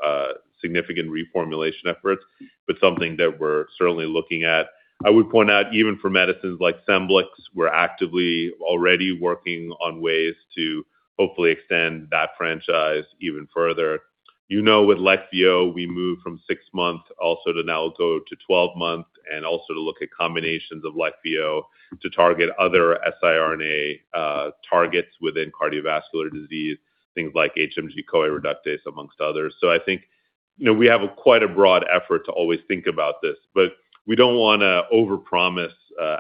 significant reformulation efforts, but something that we're certainly looking at. I would point out even for medicines like Scemblix, we're actively already working on ways to hopefully extend that franchise even further. You know, with Leqvio, we moved from 6 months also to now go to 12 months and also to look at combinations of Leqvio to target other siRNA targets within cardiovascular disease, things like HMG-CoA reductase, amongst others. I think, you know, we have a quite a broad effort to always think about this, but we don't wanna overpromise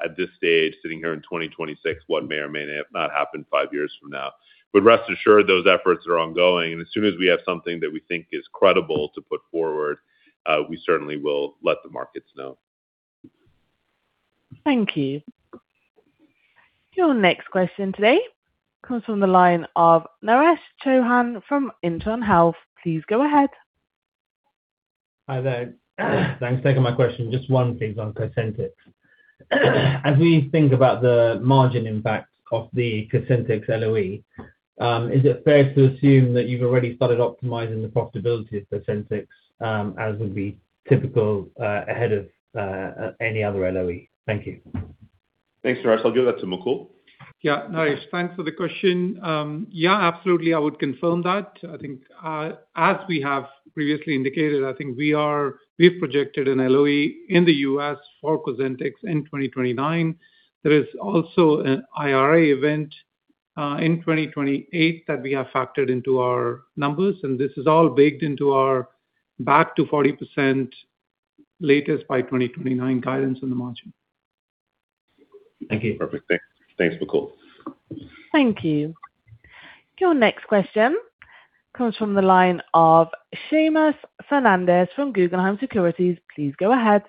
at this stage, sitting here in 2026, what may or may not happen 5 years from now. Rest assured, those efforts are ongoing, and as soon as we have something that we think is credible to put forward, we certainly will let the markets know. Thank you. Your next question today comes from the line of Naresh Chouhan from Intron Health. Please go ahead. Hi there. Thanks for taking my question. Just one please on Cosentyx. As we think about the margin impact of the Cosentyx LOE, is it fair to assume that you've already started optimizing the profitability of Cosentyx, as would be typical, ahead of any other LOE? Thank you. Thanks, Naresh. I'll give that to Mukul. Yeah. Naresh, thanks for the question. Yeah, absolutely. I would confirm that. I think, as we have previously indicated, I think we've projected an LOE in the U.S. for Cosentyx in 2029. There is also an IRA event in 2028 that we have factored into our numbers. This is all baked into our back to 40% latest by 2029 guidance on the margin. Thank you. Perfect. Thanks, Mukul. Thank you. Your next question comes from the line of Seamus Fernandez from Guggenheim Securities. Please go ahead.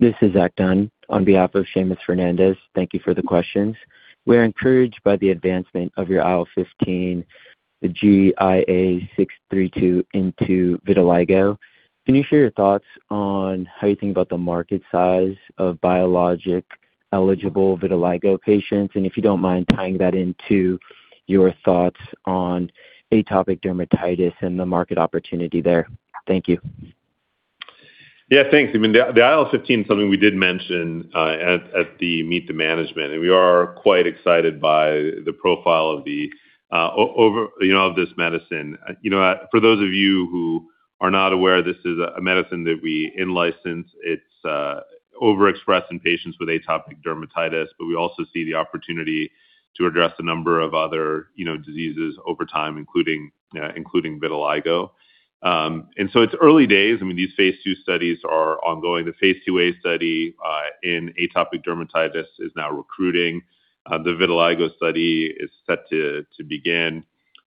This is Acton. On behalf of Seamus Fernandez, thank you for the questions. We're encouraged by the advancement of your IL-15, the GIA632 into vitiligo. Can you share your thoughts on how you think about the market size of biologic-eligible vitiligo patients? If you don't mind tying that into your thoughts on atopic dermatitis and the market opportunity there. Thank you. Thanks. The IL-15 is something we did mention at the Meet the Management. We are quite excited by the profile of this medicine. For those of you not aware, this is a medicine that we in-license. It is overexpressed in patients with atopic dermatitis. We also see the opportunity to address a number of other diseases over time, including vitiligo. It is early days. These phase II studies are ongoing. The phase II-A study in atopic dermatitis is now recruiting. The vitiligo study is set to begin.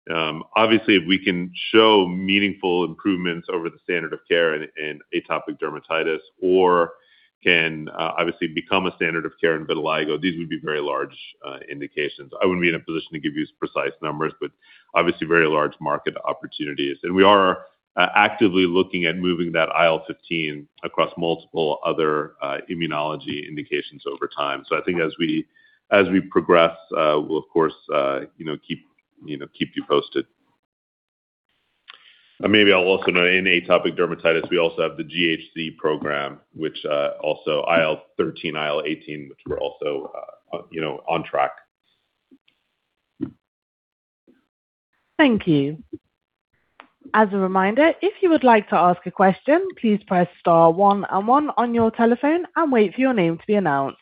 Obviously, if we can show meaningful improvements over the standard of care in atopic dermatitis or can obviously become a standard of care in vitiligo, these would be very large indications. I wouldn't be in a position to give you precise numbers, but obviously very large market opportunities. We are actively looking at moving that IL-15 across multiple other immunology indications over time. I think as we progress, we'll of course, you know, keep you posted. Maybe I'll also note in atopic dermatitis, we also have the Global Health program, which also IL-13, IL-18, which we're also, you know, on track. Thank you. As a reminder, if you would like to ask a question, please press star one one on your telephone and wait for your name to be announced.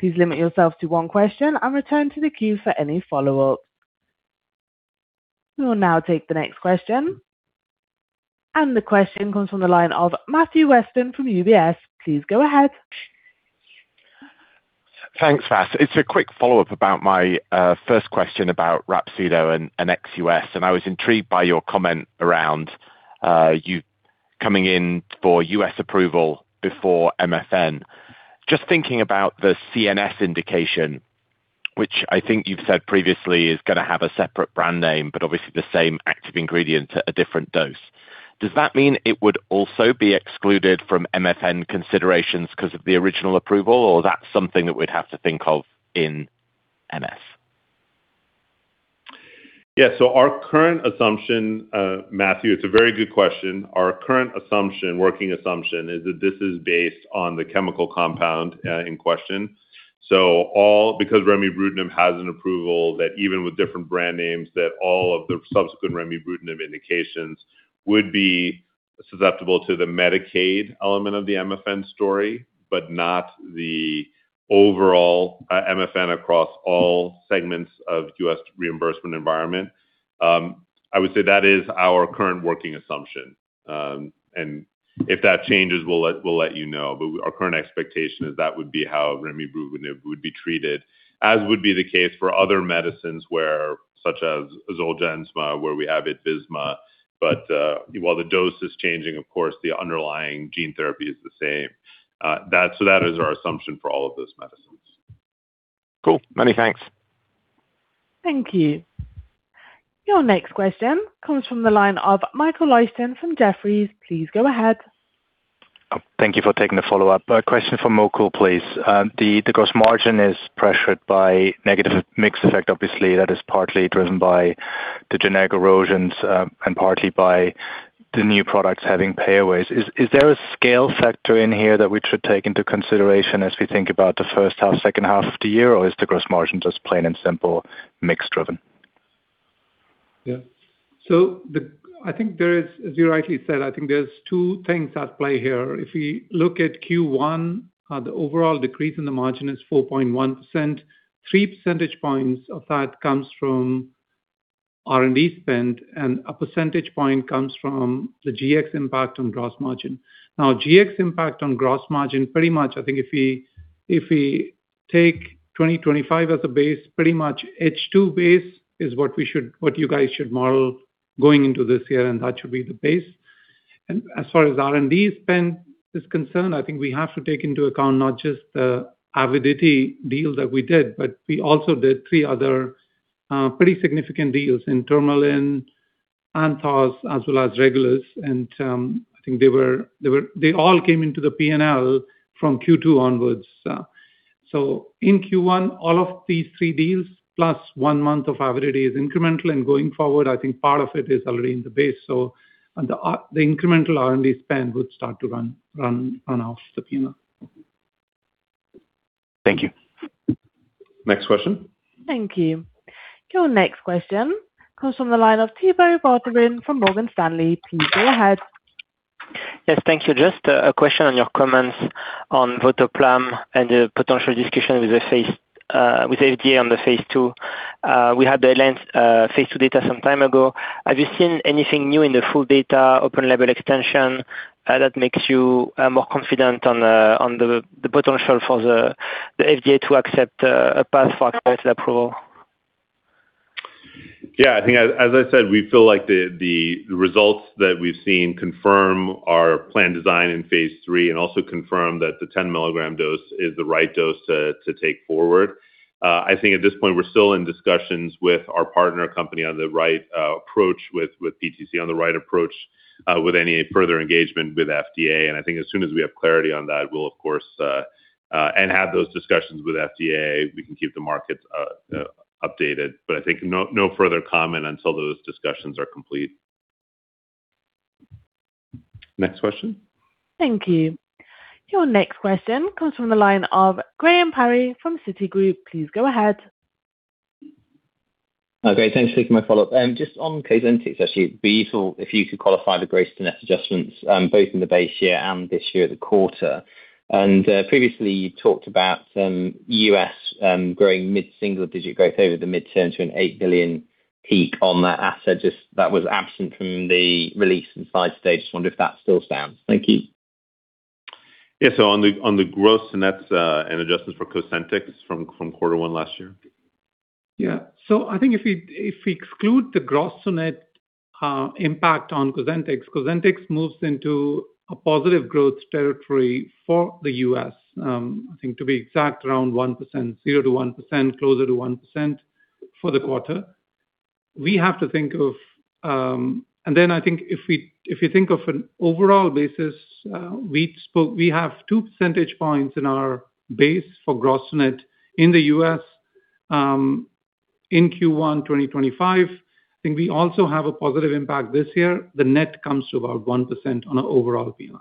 Please limit yourself to one question and return to the queue for any follow-up. We will now take the next question. The question comes from the line of Matthew Weston from UBS. Please go ahead. Thanks, Vas. It's a quick follow-up about my first question about Rhapsido and ex-U.S., and I was intrigued by your comment around you coming in for U.S. approval before MFN. Just thinking about the CNS indication, which I think you've said previously is gonna have a separate brand name but obviously the same active ingredient at a different dose. Does that mean it would also be excluded from MFN considerations 'cause of the original approval, or that's something that we'd have to think of in MFN? Yeah. Our current assumption, Matthew, it's a very good question. Our current assumption, working assumption is that this is based on the chemical compound in question. All because remibrutinib has an approval that even with different brand names, all of the subsequent remibrutinib indications would be susceptible to the Medicaid element of the MFN story, but not the overall MFN across all segments of U.S. reimbursement environment. I would say that is our current working assumption. If that changes, we'll let you know. Our current expectation is that would be how remibrutinib would be treated, as would be the case for other medicines such as Zolgensma, where we have Itvisma. While the dose is changing, of course, the underlying gene therapy is the same. That is our assumption for all of those medicines. Cool. Many thanks. Thank you. Your next question comes from the line of Michael Leuchten from Jefferies. Please go ahead. Thank you for taking the follow-up. A question for Mukul, please. The gross margin is pressured by negative mix effect. Obviously, that is partly driven by the generic erosions and partly by the new products having payaways. Is there a scale factor in here that we should take into consideration as we think about the first half, second half of the year? Or is the gross margin just plain and simple mix-driven? Yeah. As you rightly said, I think there's 2 things at play here. If we look at Q1, the overall decrease in the margin is 4.1%. 3 percentage points of that comes from R&D spend, and 1 percentage point comes from the GX impact on gross margin. GX impact on gross margin, pretty much I think if we take 2025 as a base, pretty much H2 base is what you guys should model going into this year, and that should be the base. As far as R&D spend is concerned, I think we have to take into account not just the Avidity deal that we did, but we also did 3 other pretty significant deals in Tourmaline, Anthos, as well as Regulus. I think they all came into the P&L from Q2 onwards. In Q1, all of these 3 deals plus 1 month of Avidity is incremental. Going forward, I think part of it is already in the base. On the incremental R&D spend would start to run off the P&L. Thank you. Next question. Thank you. Your next question comes from the line of Thibault Boutherin from Morgan Stanley. Please go ahead. Yes. Thank you. Just a question on your comments on votoplam and the potential discussion with FDA on the phase II. We had the lens phase II data some time ago. Have you seen anything new in the full data open label extension that makes you more confident on the potential for the FDA to accept a path for accelerated approval? Yeah, I think as I said, we feel like the results that we've seen confirm our plan design in phase III and also confirm that the 10-milligram dose is the right dose to take forward. I think at this point we're still in discussions with our partner company on the right approach with PTC on the right approach with any further engagement with FDA. I think as soon as we have clarity on that, we'll of course, and have those discussions with FDA, we can keep the markets updated. I think no further comment until those discussions are complete. Next question. Thank you. Your next question comes from the line of Graham Parry from Citigroup. Please go ahead. Okay. Thanks for taking my follow-up. Just on Cosentyx, actually. If you could qualify the gross to net adjustments, both in the base year and this year at the quarter. Previously you talked about U.S. growing mid-single digit growth over the mid-term to an $8 billion peak on that asset just that was absent from the release and slide stage. Just wonder if that still stands. Thank you. Yeah. on the gross and nets, and adjustments for Cosentyx from quarter one last year? I think if we, if we exclude the gross to net impact on Cosentyx moves into a positive growth territory for the U.S. I think to be exact, around 1%, 0%-1%, closer to 1% for the quarter. We have to think of. I think if we, if you think of an overall basis, we spoke, we have 2 percentage points in our base for gross net in the U.S. in Q1 2025. I think we also have a positive impact this year. The net comes to about 1% on an overall view.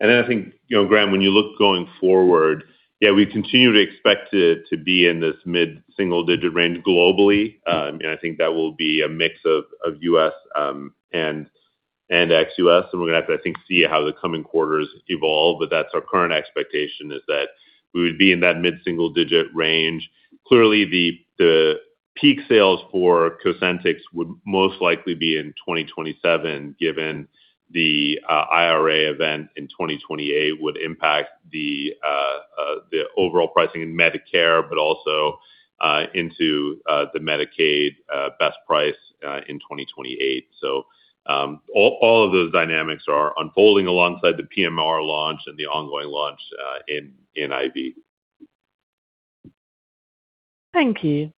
I think, you know, Graham, when you look going forward, we continue to expect it to be in this mid-single-digit range globally. I think that will be a mix of U.S. and ex-U.S. We're going to have to, I think, see how the coming quarters evolve. That's our current expectation, is that we would be in that mid-single-digit range. Clearly, the peak sales for Cosentyx would most likely be in 2027, given the IRA event in 2028 would impact the overall pricing in Medicare, but also into the Medicaid best price in 2028. All of those dynamics are unfolding alongside the PMR launch and the ongoing launch in IV. Thank you.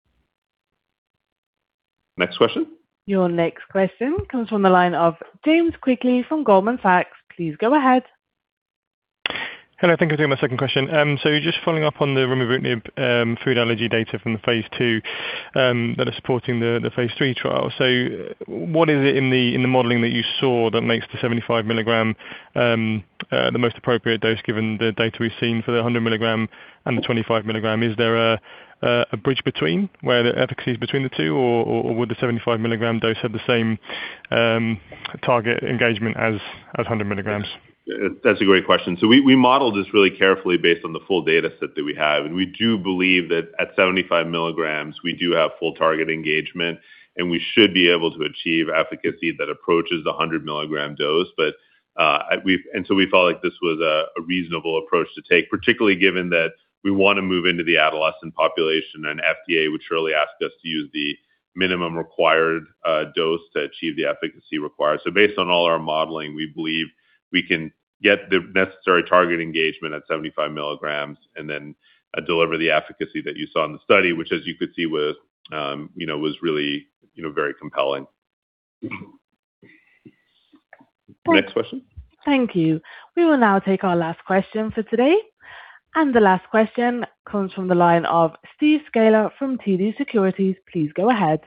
Next question. Your next question comes from the line of James Quigley from Goldman Sachs. Please go ahead. Hello. Thank you for taking my second question. Just following up on the remibrutinib food allergy data from the phase II that are supporting the phase III trial. What is it in the modeling that you saw that makes the 75 milligram the most appropriate dose given the data we've seen for the 100 milligram and the 25 milligram? Is there a bridge between where the efficacy is between the two or would the 75 milligram dose have the same target engagement as 100 milligrams? That's a great question. We modeled this really carefully based on the full data set that we have. We do believe that at 75 milligrams we do have full target engagement, and we should be able to achieve efficacy that approaches the 100 milligram dose. We felt like this was a reasonable approach to take, particularly given that we wanna move into the adolescent population, and FDA would surely ask us to use the minimum required dose to achieve the efficacy required. Based on all our modeling, we believe we can get the necessary target engagement at 75 milligrams and then deliver the efficacy that you saw in the study, which as you could see was, you know, was really, you know, very compelling. Next question. Thank you. We will now take our last question for today. The last question comes from the line of Steve Scala from TD Cowen. Please go ahead.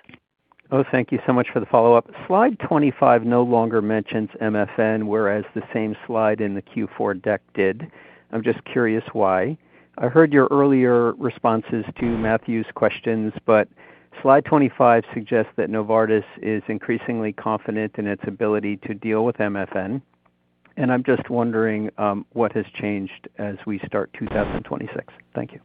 Oh, thank you so much for the follow-up. Slide 25 no longer mentions MFN, whereas the same slide in the Q4 deck did. I am just curious why. I heard your earlier responses to Matthew's questions, slide 25 suggests that Novartis is increasingly confident in its ability to deal with MFN, and I am just wondering what has changed as we start 2026. Thank you.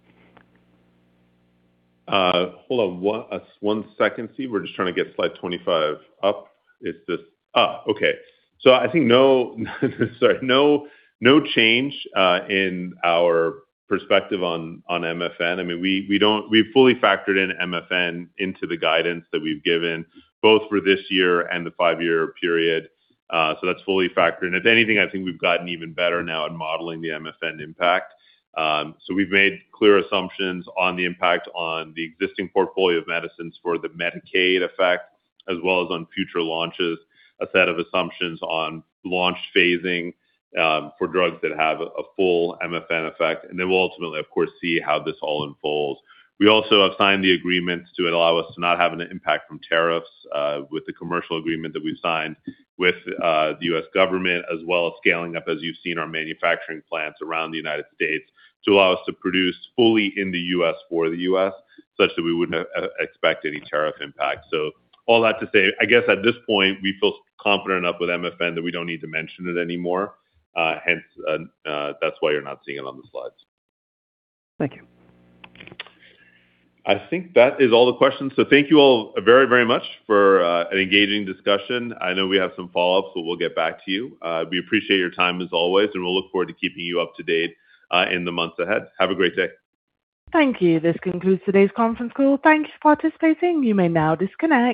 Hold on one second, Steve. We're just trying to get slide 25 up. Okay. No, sorry. No, no change in our perspective on MFN. I mean, we've fully factored in MFN into the guidance that we've given both for this year and the 5-year period. That's fully factored. If anything, I think we've gotten even better now at modeling the MFN impact. We've made clear assumptions on the impact on the existing portfolio of medicines for the Medicaid effect, as well as on future launches, a set of assumptions on launch phasing for drugs that have a full MFN effect. We'll ultimately, of course, see how this all unfolds. We also have signed the agreements to allow us to not have an impact from tariffs, with the commercial agreement that we've signed with the U.S. government, as well as scaling up, as you've seen, our manufacturing plants around the U.S. to allow us to produce fully in the U.S. for the U.S. such that we wouldn't expect any tariff impact. All that to say, I guess at this point we feel confident enough with MFN that we don't need to mention it anymore. Hence, that's why you're not seeing it on the slides. Thank you. I think that is all the questions. Thank you all very, very much for an engaging discussion. I know we have some follow-ups, but we'll get back to you. We appreciate your time as always, and we'll look forward to keeping you up to date in the months ahead. Have a great day. Thank you. This concludes today's conference call. Thank you for participating. You may now disconnect.